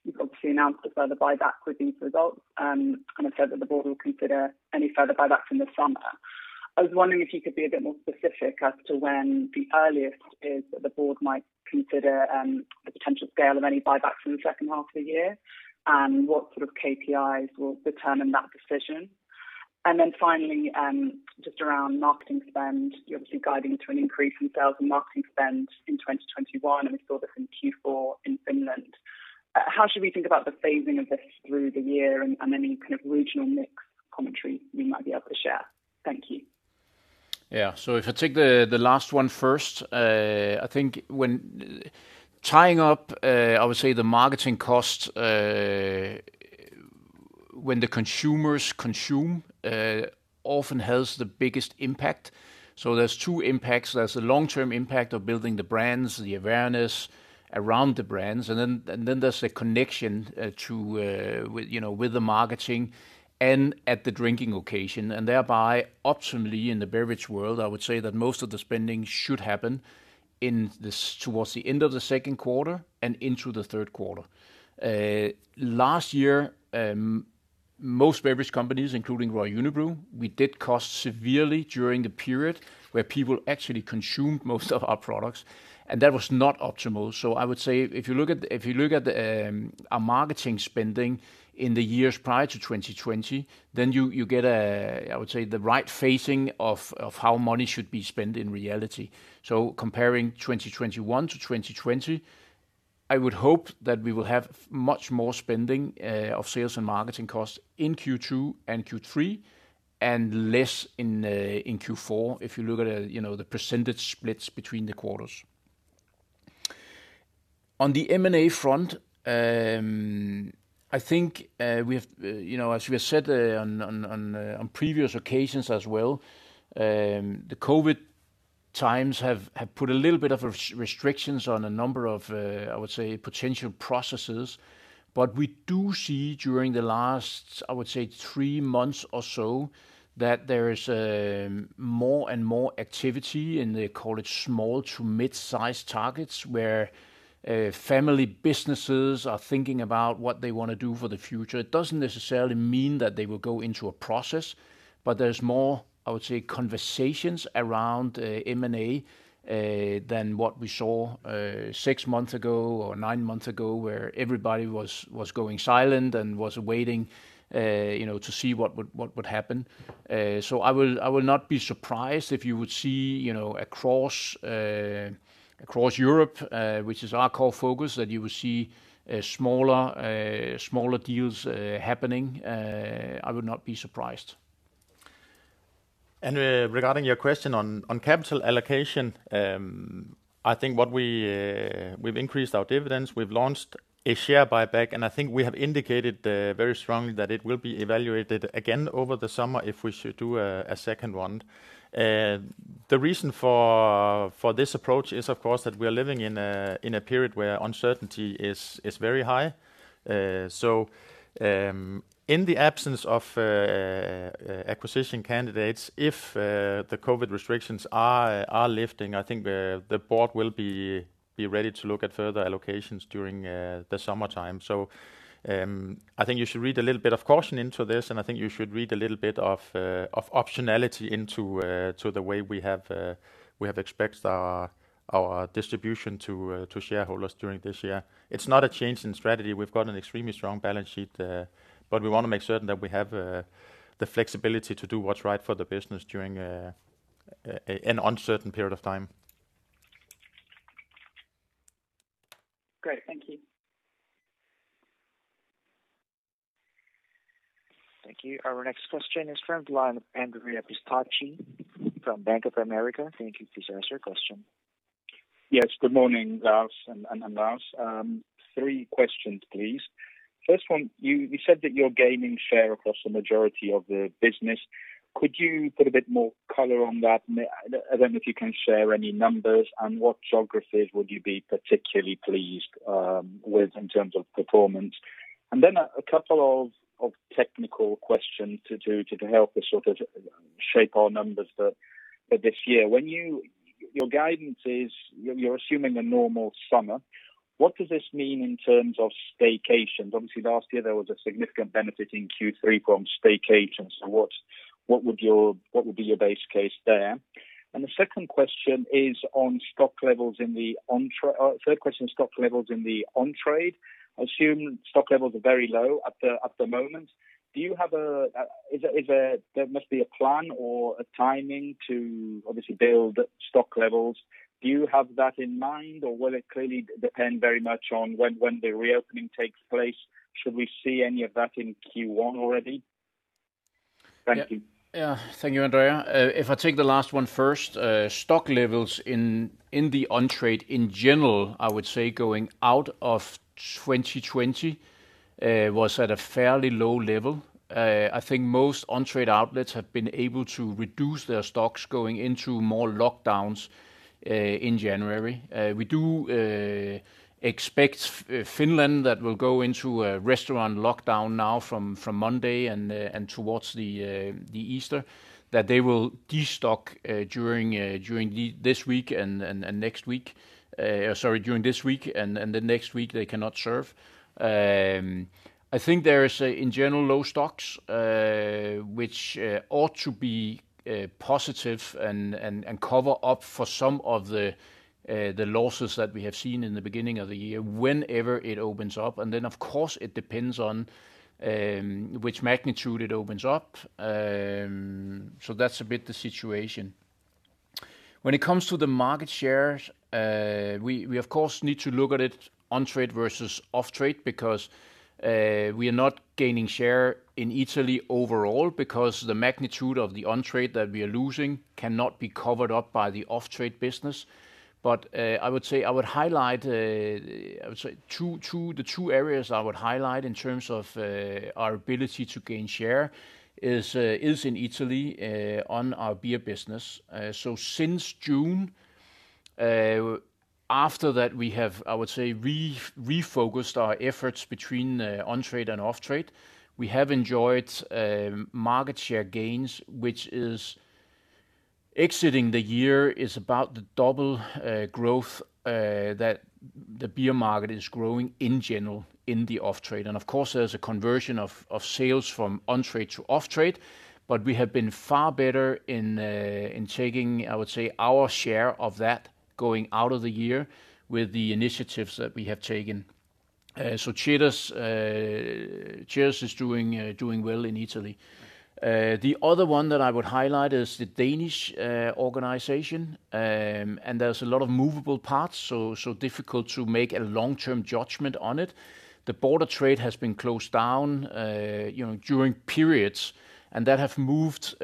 You've obviously announced a further buyback with these results, kind of said that the board will consider any further buyback from the summer. I was wondering if you could be a bit more specific as to when the earliest is that the board might consider the potential scale of any buyback from the second half of the year, and what sort of KPIs will determine that decision. Finally, just around marketing spend. You're obviously guiding to an increase in sales and marketing spend in 2021, and we saw this in Q4 in Finland. How should we think about the phasing of this through the year and any kind of regional mix commentary we might be able to share? Thank you. Yeah. If I take the last one first, I think tying up, I would say, the marketing costs when the consumers consume often has the biggest impact. There's two impacts. There's a long-term impact of building the brands, the awareness around the brands, and then there's a connection with the marketing and at the drinking occasion. Thereby, optimally in the beverage world, I would say that most of the spending should happen towards the end of the second quarter and into the third quarter. Last year, most beverage companies, including Royal Unibrew, we did cost severely during the period where people actually consumed most of our products, and that was not optimal. I would say if you look at our marketing spending in the years prior to 2020, then you get a, I would say, the right phasing of how money should be spent in reality. Comparing 2021 to 2020, I would hope that we will have much more spending of sales and marketing costs in Q2 and Q3 and less in Q4, if you look at the percentage splits between the quarters. On the M&A front, I think as we have said on previous occasions as well, the COVID-19 times have put a little bit of restrictions on a number of, I would say potential processes. We do see during the last, I would say, three months or so, that there is more and more activity in the, call it, small to mid-size targets, where family businesses are thinking about what they want to do for the future. It doesn't necessarily mean that they will go into a process, but there's more, I would say, conversations around M&A than what we saw six months ago or nine months ago, where everybody was going silent and was waiting to see what would happen. I will not be surprised if you would see across Europe, which is our core focus, that you will see smaller deals happening. I would not be surprised. Regarding your question on capital allocation, I think we've increased our dividends, we've launched a share buyback, and I think we have indicated very strongly that it will be evaluated again over the summer if we should do a second one. The reason for this approach is, of course, that we are living in a period where uncertainty is very high. In the absence of acquisition candidates, if the COVID-19 restrictions are lifting, I think the board will be ready to look at further allocations during the summertime. I think you should read a little bit of caution into this, and I think you should read a little bit of optionality into the way we have expected our distribution to shareholders during this year. It's not a change in strategy. We've got an extremely strong balance sheet, but we want to make certain that we have the flexibility to do what's right for the business during an uncertain period of time. Great. Thank you. Thank you. Our next question is from the line of Andrea Pistacchi from Bank of America. Thank you. Please ask your question. Yes. Good morning, Lars and Lars. Three questions, please. First one, you said that you're gaining share across the majority of the business. Could you put a bit more color on that? I don't know if you can share any numbers. What geographies would you be particularly pleased with in terms of performance? A couple of technical questions to help us sort of shape our numbers for this year. Your guidance is you're assuming a normal summer. What does this mean in terms of staycations? Obviously, last year there was a significant benefit in Q3 from staycations. What would be your base case there? Third question, stock levels in the on-trade. I assume stock levels are very low at the moment. There must be a plan or a timing to obviously build stock levels. Do you have that in mind, or will it clearly depend very much on when the reopening takes place? Should we see any of that in Q1 already? Thank you. Thank you, Andrea. If I take the last one first, stock levels in the on-trade in general, I would say, going out of 2020 was at a fairly low level. I think most on-trade outlets have been able to reduce their stocks going into more lockdowns in January. We do expect Finland, that will go into a restaurant lockdown now from Monday and towards the Easter, that they will de-stock during this week and next week. Sorry, during this week and the next week they cannot serve. I think there is, in general, low stocks, which ought to be positive and cover up for some of the losses that we have seen in the beginning of the year, whenever it opens up. Then, of course, it depends on which magnitude it opens up. That's a bit the situation. When it comes to the market share, we of course need to look at it on-trade versus off-trade because we are not gaining share in Italy overall because the magnitude of the on-trade that we are losing cannot be covered up by the off-trade business. I would say the two areas I would highlight in terms of our ability to gain share is in Italy on our beer business. Since June, after that we have, I would say, refocused our efforts between on-trade and off-trade. We have enjoyed market share gains which is exiting the year is about the double growth that the beer market is growing in general in the off-trade. Of course, there's a conversion of sales from on-trade to off-trade, but we have been far better in taking, I would say, our share of that going out of the year with the initiatives that we have taken. Ceres is doing well in Italy. The other one that I would highlight is the Danish organization. There's a lot of movable parts, difficult to make a long-term judgment on it. The border trade has been closed down during periods, That have moved,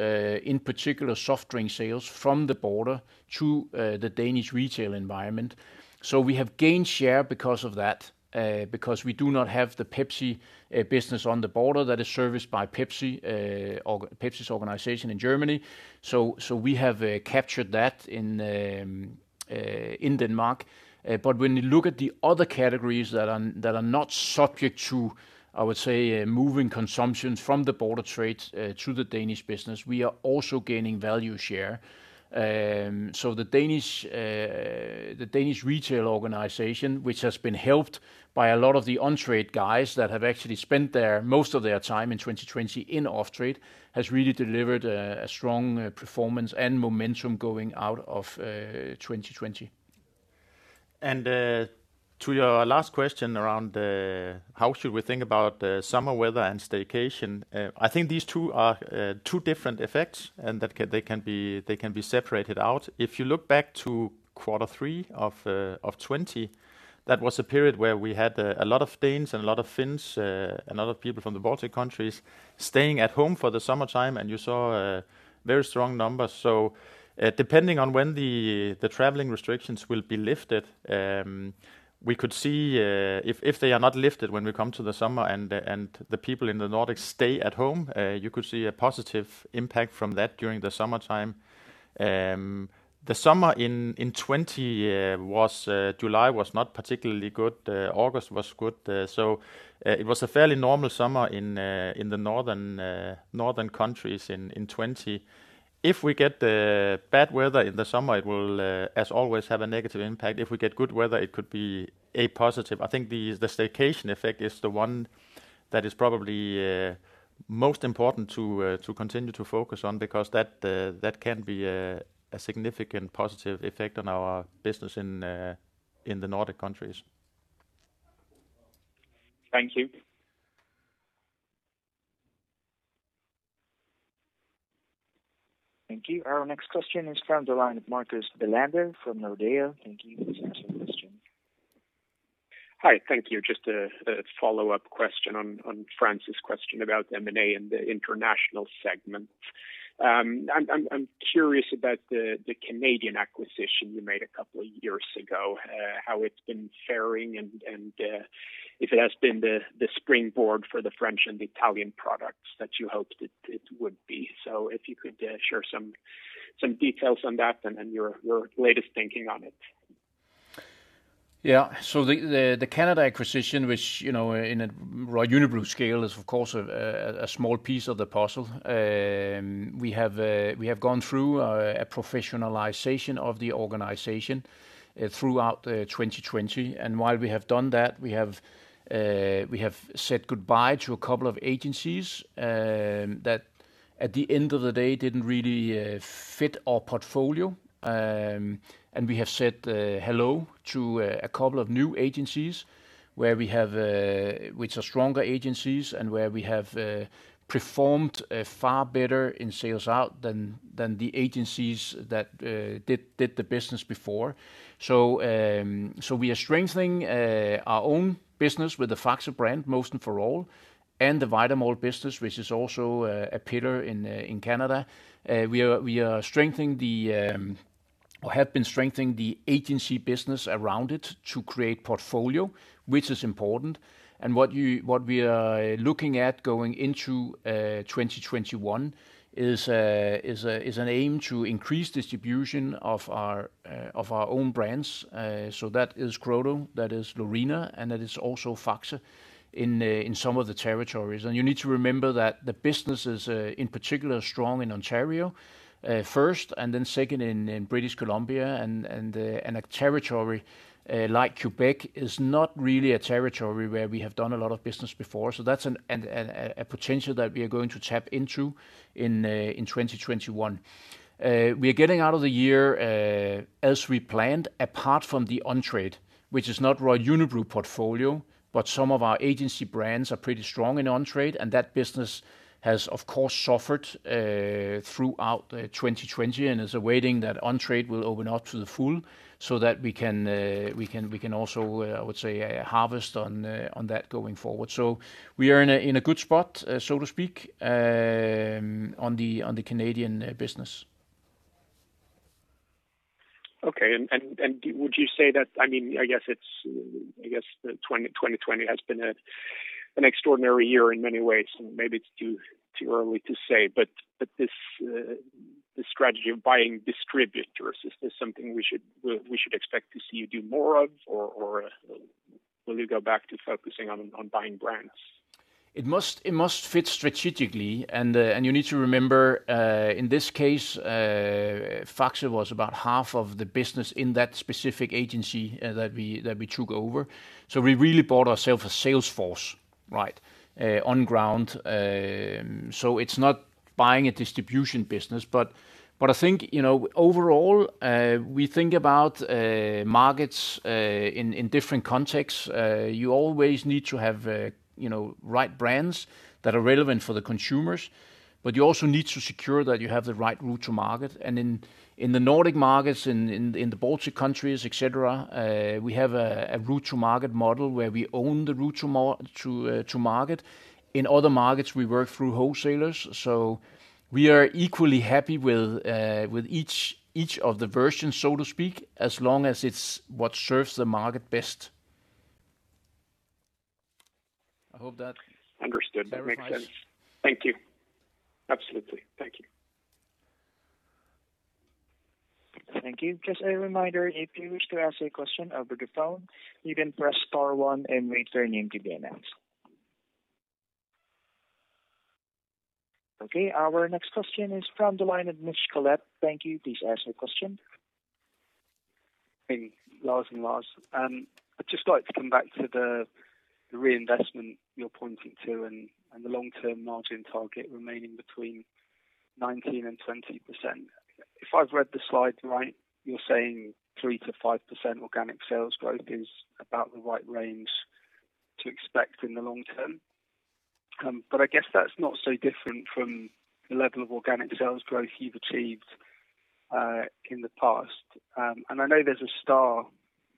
in particular, soft drink sales from the border to the Danish retail environment. We have gained share because of that, because we do not have the Pepsi business on the border that is serviced by Pepsi's organization in Germany. We have captured that in Denmark. When you look at the other categories that are not subject to, I would say, moving consumption from the border trades to the Danish business, we are also gaining value share. The Danish retail organization, which has been helped by a lot of the on-trade guys that have actually spent most of their time in 2020 in off-trade, has really delivered a strong performance and momentum going out of 2020. To your last question around how should we think about the summer weather and staycation, I think these two are two different effects, and that they can be separated out. If you look back to Q3 of 2020, that was a period where we had a lot of Danes and a lot of Finns, and a lot of people from the Baltic countries staying at home for the summertime, and you saw very strong numbers. Depending on when the traveling restrictions will be lifted, we could see if they are not lifted when we come to the summer and the people in the Nordics stay at home, you could see a positive impact from that during the summertime. The summer in 2020, July was not particularly good. August was good. It was a fairly normal summer in the northern countries in 2020. If we get the bad weather in the summer, it will, as always, have a negative impact. If we get good weather, it could be a positive. I think the staycation effect is the one that is probably most important to continue to focus on because that can be a significant positive effect on our business in the Nordic countries. Thank you. Thank you. Our next question is from the line of Markus Bjerland from Nordea. Thank you. You can ask your question. Hi. Thank you. Just a follow-up question on Frans' question about M&A in the international segment. I'm curious about the Canadian acquisition you made a couple of years ago, how it's been faring, and if it has been the springboard for the French and the Italian products that you hoped it would be. If you could share some details on that and your latest thinking on it. Yeah. The Canada acquisition, which in a Royal Unibrew scale is of course a small piece of the puzzle, we have gone through a professionalization of the organization throughout 2020. While we have done that, we have said goodbye to a couple of agencies that at the end of the day didn't really fit our portfolio. We have said hello to a couple of new agencies which are stronger agencies and where we have performed far better in sales out than the agencies that did the business before. We are strengthening our own business with the Faxe brand, most and for all, and the Vitamalt business, which is also a pillar in Canada. We have been strengthening the agency business around it to create portfolio, which is important. What we are looking at going into 2021 is an aim to increase distribution of our own brands. That is Crodo, that is Lorina, and that is also Faxe in some of the territories. You need to remember that the business is in particular strong in Ontario first, and then second in British Columbia. A territory like Quebec is not really a territory where we have done a lot of business before. That's a potential that we are going to tap into in 2021. We are getting out of the year as we planned, apart from the on-trade, which is not Royal Unibrew portfolio, but some of our agency brands are pretty strong in on-trade, and that business has of course suffered throughout 2020 and is awaiting that on-trade will open up to the full so that we can also, I would say, harvest on that going forward. We are in a good spot, so to speak, on the Canadian business. Okay. Would you say that, I guess 2020 has been an extraordinary year in many ways, and maybe it's too early to say, but this strategy of buying distributors, is this something we should expect to see you do more of? Will you go back to focusing on buying brands? It must fit strategically. You need to remember, in this case, Faxe was about half of the business in that specific agency that we took over. We really bought ourself a sales force on ground. It's not buying a distribution business. I think, overall, we think about markets in different contexts. You always need to have right brands that are relevant for the consumers, but you also need to secure that you have the right route to market. In the Nordic markets, in the Baltic countries, et cetera, we have a route to market model where we own the route to market. In other markets, we work through wholesalers. We are equally happy with each of the versions, so to speak, as long as it's what serves the market best. Understood. That makes sense. Thank you. Absolutely. Thank you. Thank you. Just a reminder, if you wish to ask a question over the phone, you can press star one and raise your name to be announced. Okay. Our next question is from the line of Mitch Collett. Thank you. Please ask your question. Hey, Lars and Lars. I'd just like to come back to the reinvestment you're pointing to and the long-term margin target remaining between 19% and 20%. If I've read the slide right, you're saying 3%-5% organic sales growth is about the right range to expect in the long term. I guess that's not so different from the level of organic sales growth you've achieved, in the past. I know there's a star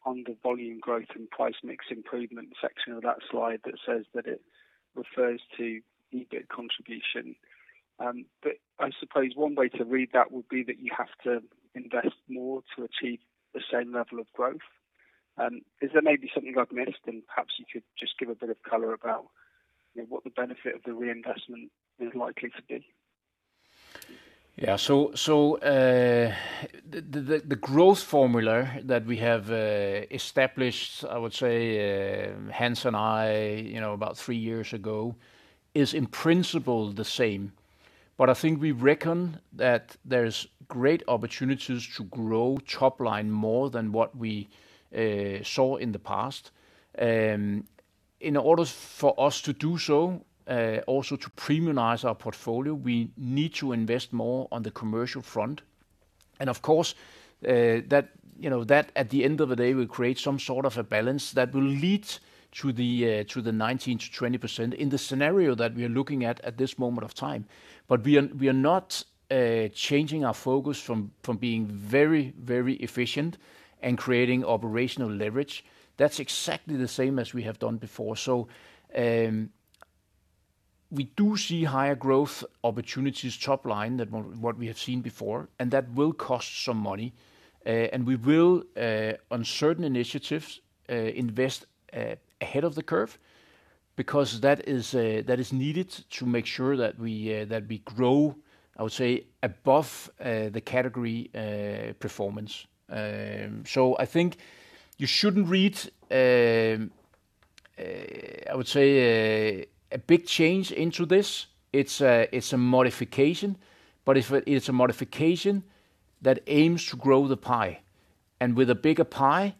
on the volume growth and price mix improvement section of that slide that says that it refers to EBIT contribution. I suppose one way to read that would be that you have to invest more to achieve the same level of growth. Is there maybe something I've missed? Perhaps you could just give a bit of color about what the benefit of the reinvestment is likely to be. Yeah. The growth formula that we have established, I would say, Hans and I about three years ago is in principle the same. I think we reckon that there's great opportunities to grow top line more than what we saw in the past. In order for us to do so, also to premiumize our portfolio, we need to invest more on the commercial front. Of course, that at the end of the day will create some sort of a balance that will lead to the 19%-20% in the scenario that we are looking at this moment of time. We are not changing our focus from being very efficient and creating operational leverage. That's exactly the same as we have done before. We do see higher growth opportunities top line than what we have seen before, and that will cost some money. We will, on certain initiatives, invest ahead of the curve because that is needed to make sure that we grow, I would say, above the category performance. I think you shouldn't read, I would say, a big change into this. It's a modification, but it's a modification that aims to grow the pie. With a bigger pie,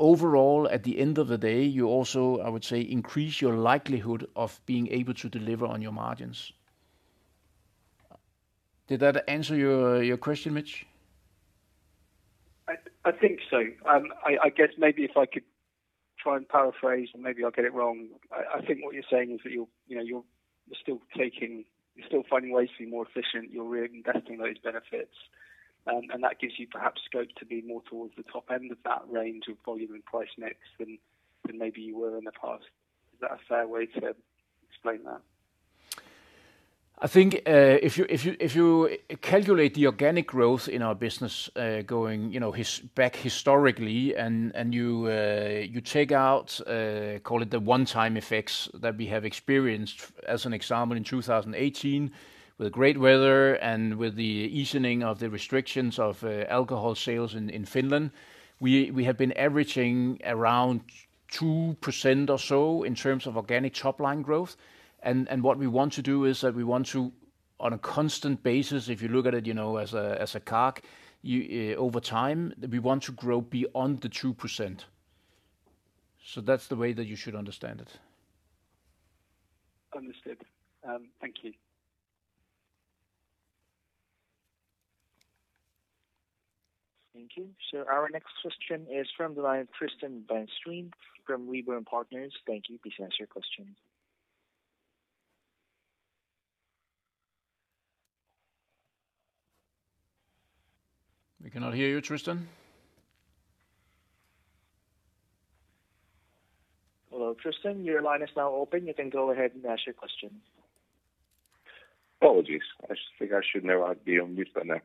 overall at the end of the day, you also, I would say, increase your likelihood of being able to deliver on your margins. Did that answer your question, Mitch? I think so. I guess maybe if I could try and paraphrase, and maybe I'll get it wrong. I think what you're saying is that you're still finding ways to be more efficient. You're reinvesting those benefits. That gives you perhaps scope to be more towards the top end of that range of volume and price mix than maybe you were in the past. Is that a fair way to explain that? I think, if you calculate the organic growth in our business back historically and you take out, call it the one-time effects that we have experienced, as an example in 2018, with great weather and with the easing of the restrictions of alcohol sales in Finland, we have been averaging around 2% or so in terms of organic top-line growth. What we want to do is that we want to, on a constant basis, if you look at it as a CAGR, over time, we want to grow beyond the 2%. That's the way that you should understand it. Understood. Thank you. Thank you. Our next question is from the line, Tristan van Strien from Redburn Partners. Thank you. Please ask your question. We cannot hear you, Tristan. Hello, Tristan, your line is now open. You can go ahead and ask your question. Apologies. I just think I should never be on mute on there.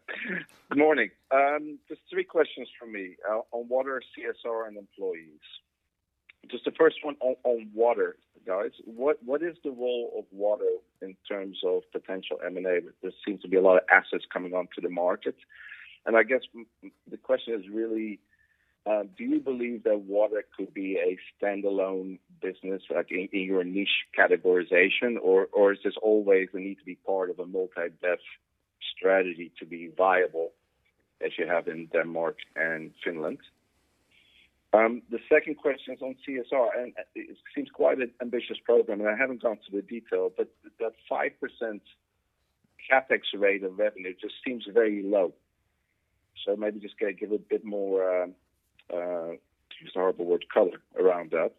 Good morning. Just three questions from me on water, CSR, and employees. Just the first one on water. Guys, what is the role of water in terms of potential M&A? There seems to be a lot of assets coming onto the market. I guess the question is really, do you believe that water could be a standalone business in your niche categorization, or is this always the need to be part of a multi-bevs strategy to be viable as you have in Denmark and Finland? The second question is on CSR. It seems quite an ambitious program. I haven't gone to the detail, but that 5% CapEx rate of revenue just seems very low. Maybe just give a bit more, to use an horrible word, color around that.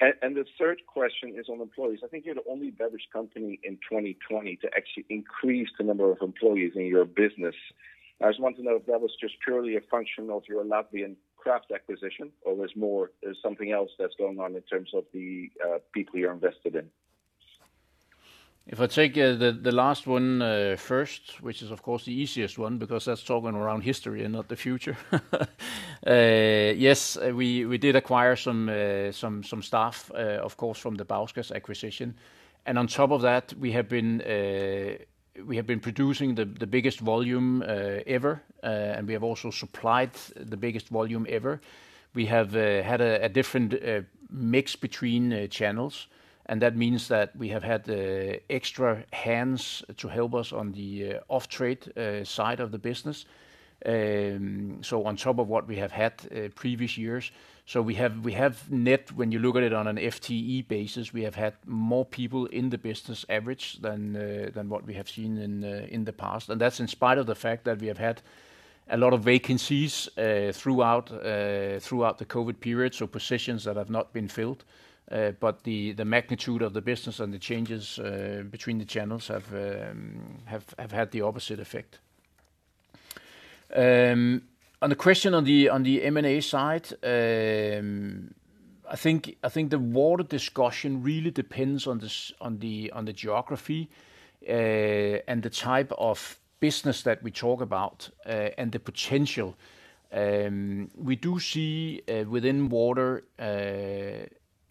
The third question is on employees. I think you're the only beverage company in 2020 to actually increase the number of employees in your business. I just want to know if that was just purely a function of your Latvian craft acquisition, or there's something else that's going on in terms of the people you're invested in. If I take the last one first, which is of course the easiest one because that's talking around history and not the future. Yes, we did acquire some staff, of course, from the Bauskas acquisition. On top of that, we have been producing the biggest volume ever, and we have also supplied the biggest volume ever. We have had a different mix between channels, and that means that we have had extra hands to help us on the off-trade side of the business, so on top of what we have had previous years. We have net, when you look at it on an FTE basis, we have had more people in the business average than what we have seen in the past. That's in spite of the fact that we have had a lot of vacancies throughout the COVID period, so positions that have not been filled. The magnitude of the business and the changes between the channels have had the opposite effect. On the question on the M&A side, I think the water discussion really depends on the geography, and the type of business that we talk about, and the potential. We do see within water,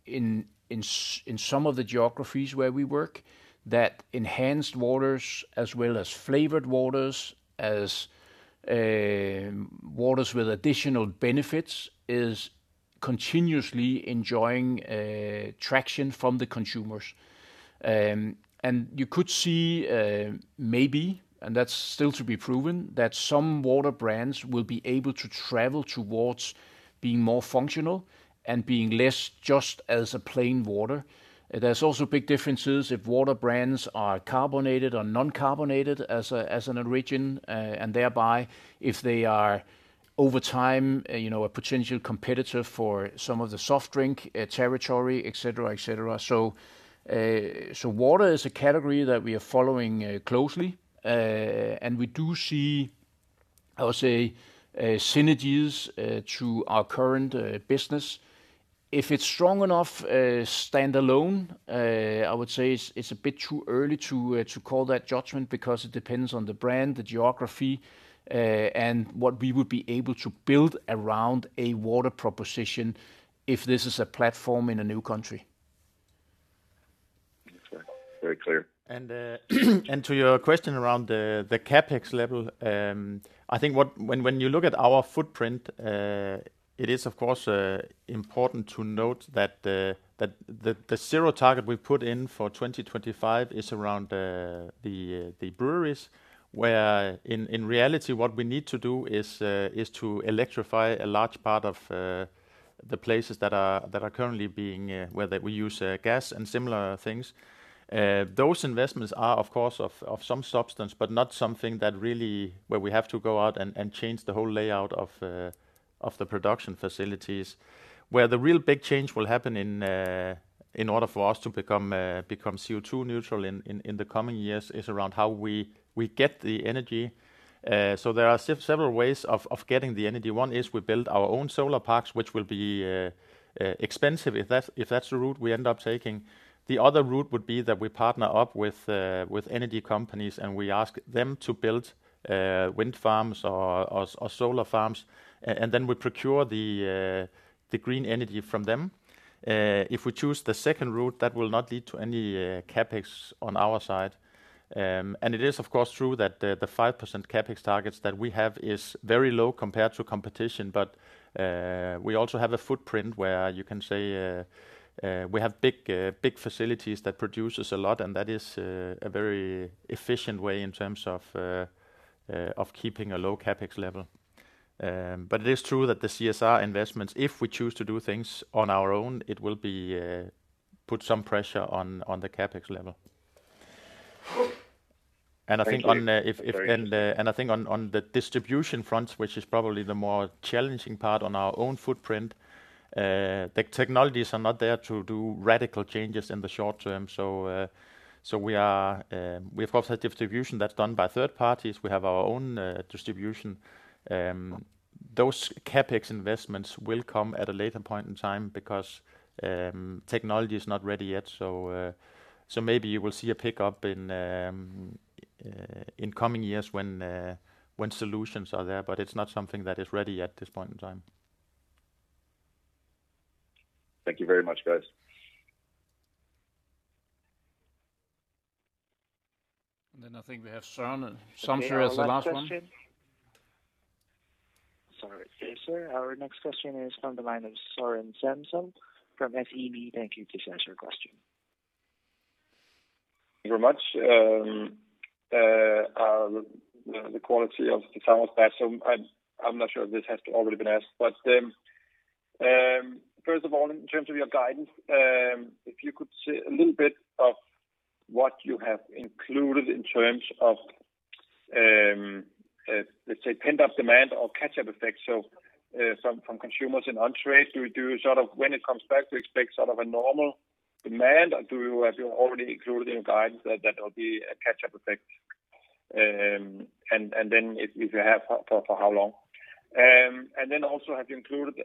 in some of the geographies where we work, that enhanced waters as well as flavored waters, as waters with additional benefits, is continuously enjoying traction from the consumers. You could see maybe, and that's still to be proven, that some water brands will be able to travel towards being more functional and being less just as a plain water. There's also big differences if water brands are carbonated or non-carbonated as an origin, and thereby if they are over time, a potential competitor for some of the soft drink territory, et cetera. Water is a category that we are following closely, and we do see, I would say, synergies to our current business. If it's strong enough standalone, I would say it's a bit too early to call that judgment because it depends on the brand, the geography, and what we would be able to build around a water proposition if this is a platform in a new country. Okay. Very clear. To your question around the CapEx level, I think when you look at our footprint, it is of course important to note that the zero target we put in for 2025 is around the breweries where in reality what we need to do is to electrify a large part of the places that are currently being, whether we use gas and similar things. Those investments are of course of some substance, but not something that really where we have to go out and change the whole layout of the production facilities. Where the real big change will happen in order for us to become CO2 neutral in the coming years, is around how we get the energy. There are several ways of getting the energy. One is we build our own solar parks, which will be expensive if that's the route we end up taking. The other route would be that we partner up with energy companies and we ask them to build wind farms or solar farms, and then we procure the green energy from them. If we choose the second route, that will not lead to any CapEx on our side. It is of course true that the 5% CapEx targets that we have is very low compared to competition. We also have a footprint where you can say we have big facilities that produces a lot, and that is a very efficient way in terms of keeping a low CapEx level. It is true that the CSR investments, if we choose to do things on our own, it will put some pressure on the CapEx level. Thank you. I think on the distribution front, which is probably the more challenging part on our own footprint, the technologies are not there to do radical changes in the short term. We have, of course, had distribution that's done by third parties. We have our own distribution. Those CapEx investments will come at a later point in time because technology is not ready yet. Maybe you will see a pickup in coming years when solutions are there, but it's not something that is ready at this point in time. Thank you very much, guys. I think we have Søren. Søren, you're as the last one. Sorry. Okay, sir. Our next question is from the line of Søren Samsøe from SEB. Thank you. Please ask your question. Thank you very much. The quality of the sound was bad, I'm not sure if this has already been asked. First of all, in terms of your guidance, if you could say a little bit of what you have included in terms of, let's say, pent-up demand or catch-up effect. From consumers in on-trade, do you sort of when it comes back, do you expect sort of a normal demand or have you already included in your guidance that there will be a catch-up effect? If you have, for how long? Also have you included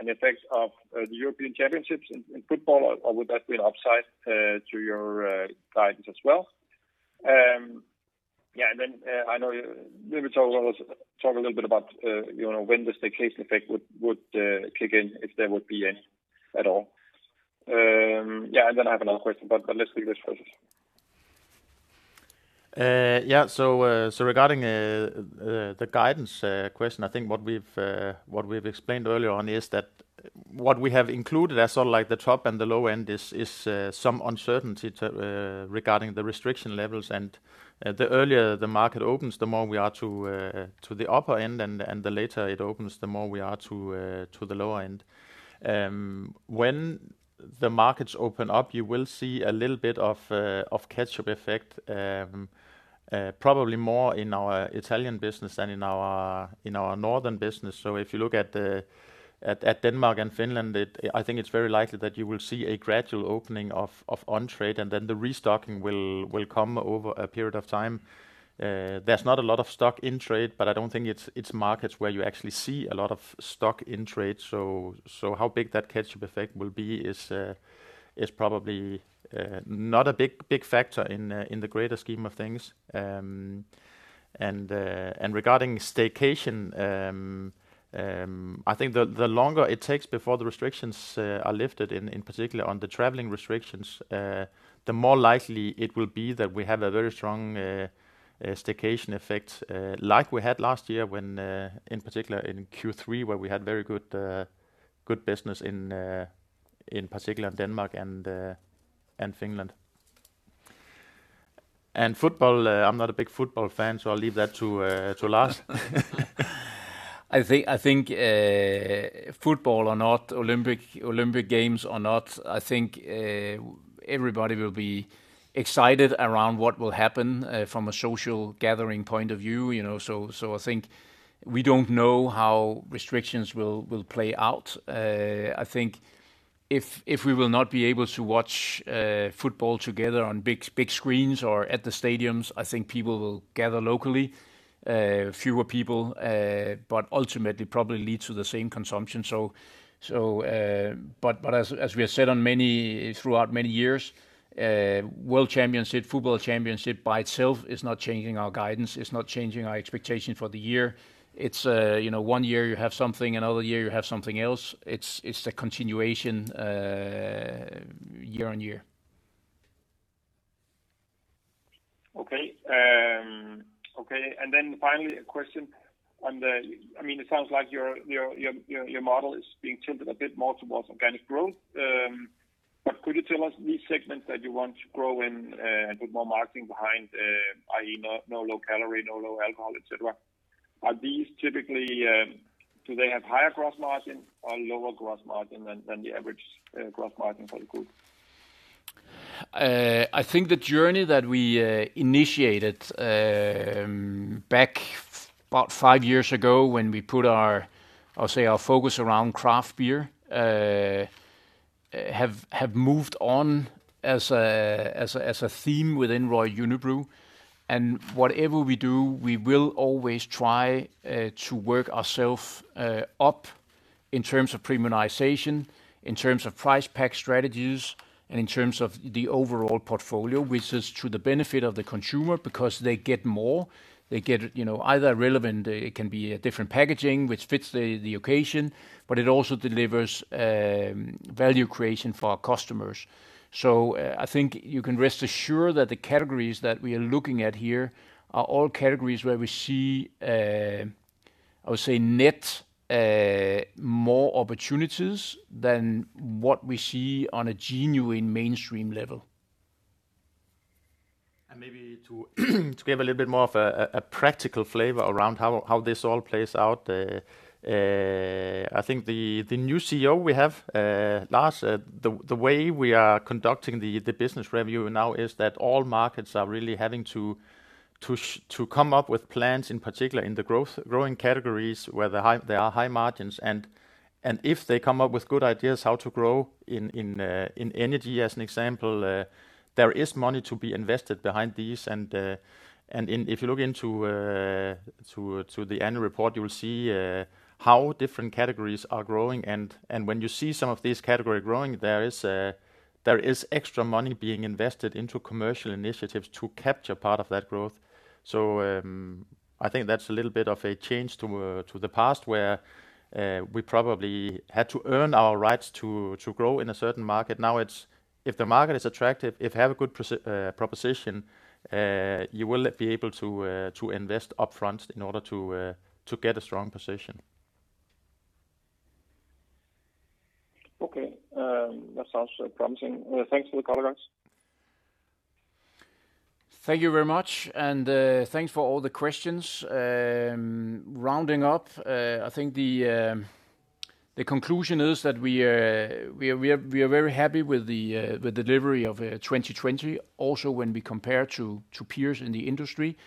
an effect of the European Championships in football, or would that be an upside to your guidance as well? I know you maybe talk a little bit about when the staycation effect would kick in, if there would be any at all. Yeah, I have another question, but let's leave this first. Regarding the guidance question, I think what we've explained earlier on is that what we have included as sort of like the top and the low end is some uncertainty to regarding the restriction levels. The earlier the market opens, the more we are to the upper end, and the later it opens, the more we are to the lower end. When the markets open up, you will see a little bit of catch-up effect, probably more in our Italian business than in our northern business. If you look at Denmark and Finland, I think it's very likely that you will see a gradual opening of on-trade, and then the restocking will come over a period of time. There's not a lot of stock in trade, but I don't think it's markets where you actually see a lot of stock in trade. How big that catch-up effect will be is probably not a big factor in the greater scheme of things. Regarding staycation, I think the longer it takes before the restrictions are lifted, in particular on the traveling restrictions, the more likely it will be that we have a very strong staycation effect like we had last year when, in particular, in Q3, where we had very good business in particular in Denmark and Finland. Football, I'm not a big football fan, so I'll leave that to Lars. I think football or not, Olympic Games or not, I think everybody will be excited around what will happen from a social gathering point of view. I think we don't know how restrictions will play out. I think if we will not be able to watch football together on big screens or at the stadiums, I think people will gather locally. Fewer people, but ultimately probably lead to the same consumption. As we have said throughout many years, world championship, football championship by itself is not changing our guidance. It's not changing our expectation for the year. It's one year you have something, another year you have something else. It's a continuation year on year. Okay. Finally a question. I mean, it sounds like your model is being tilted a bit more towards organic growth. Could you tell us these segments that you want to grow in and put more marketing behind, i.e., no low calorie, no low alcohol, et cetera, are these typically... Do they have higher gross margin or lower gross margin than the average gross margin for the group? I think the journey that we initiated back about five years ago when we put our, I'll say our focus around craft beer, have moved on as a theme within Royal Unibrew. Whatever we do, we will always try to work ourself up in terms of premiumization, in terms of price pack strategies, and in terms of the overall portfolio. Which is to the benefit of the consumer because they get more, they get either relevant, it can be a different packaging which fits the occasion, but it also delivers value creation for our customers. I think you can rest assure that the categories that we are looking at here are all categories where we see, I would say, net more opportunities than what we see on a genuine mainstream level. Maybe to give a little bit more of a practical flavor around how this all plays out. I think the new CEO we have, Lars, the way we are conducting the business review now is that all markets are really having to come up with plans, in particular in the growing categories where there are high margins. If they come up with good ideas how to grow in energy as an example, there is money to be invested behind these. If you look into the annual report, you will see how different categories are growing. When you see some of these categories growing, there is extra money being invested into commercial initiatives to capture part of that growth. I think that's a little bit of a change to the past where we probably had to earn our rights to grow in a certain market. It's if the market is attractive, if you have a good proposition, you will be able to invest upfront in order to get a strong position. Okay. That sounds promising. Thanks for the comments. Thank you very much, and thanks for all the questions. Rounding up, I think the conclusion is that we are very happy with the delivery of 2020 also when we compare to peers in the industry.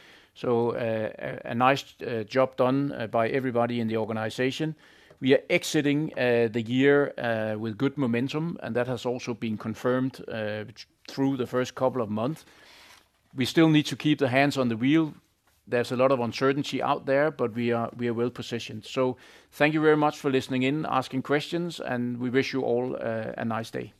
A nice job done by everybody in the organization. We are exiting the year with good momentum, and that has also been confirmed through the first couple of months. We still need to keep the hands on the wheel. There's a lot of uncertainty out there, but we are well positioned. Thank you very much for listening in, asking questions, and we wish you all a nice day.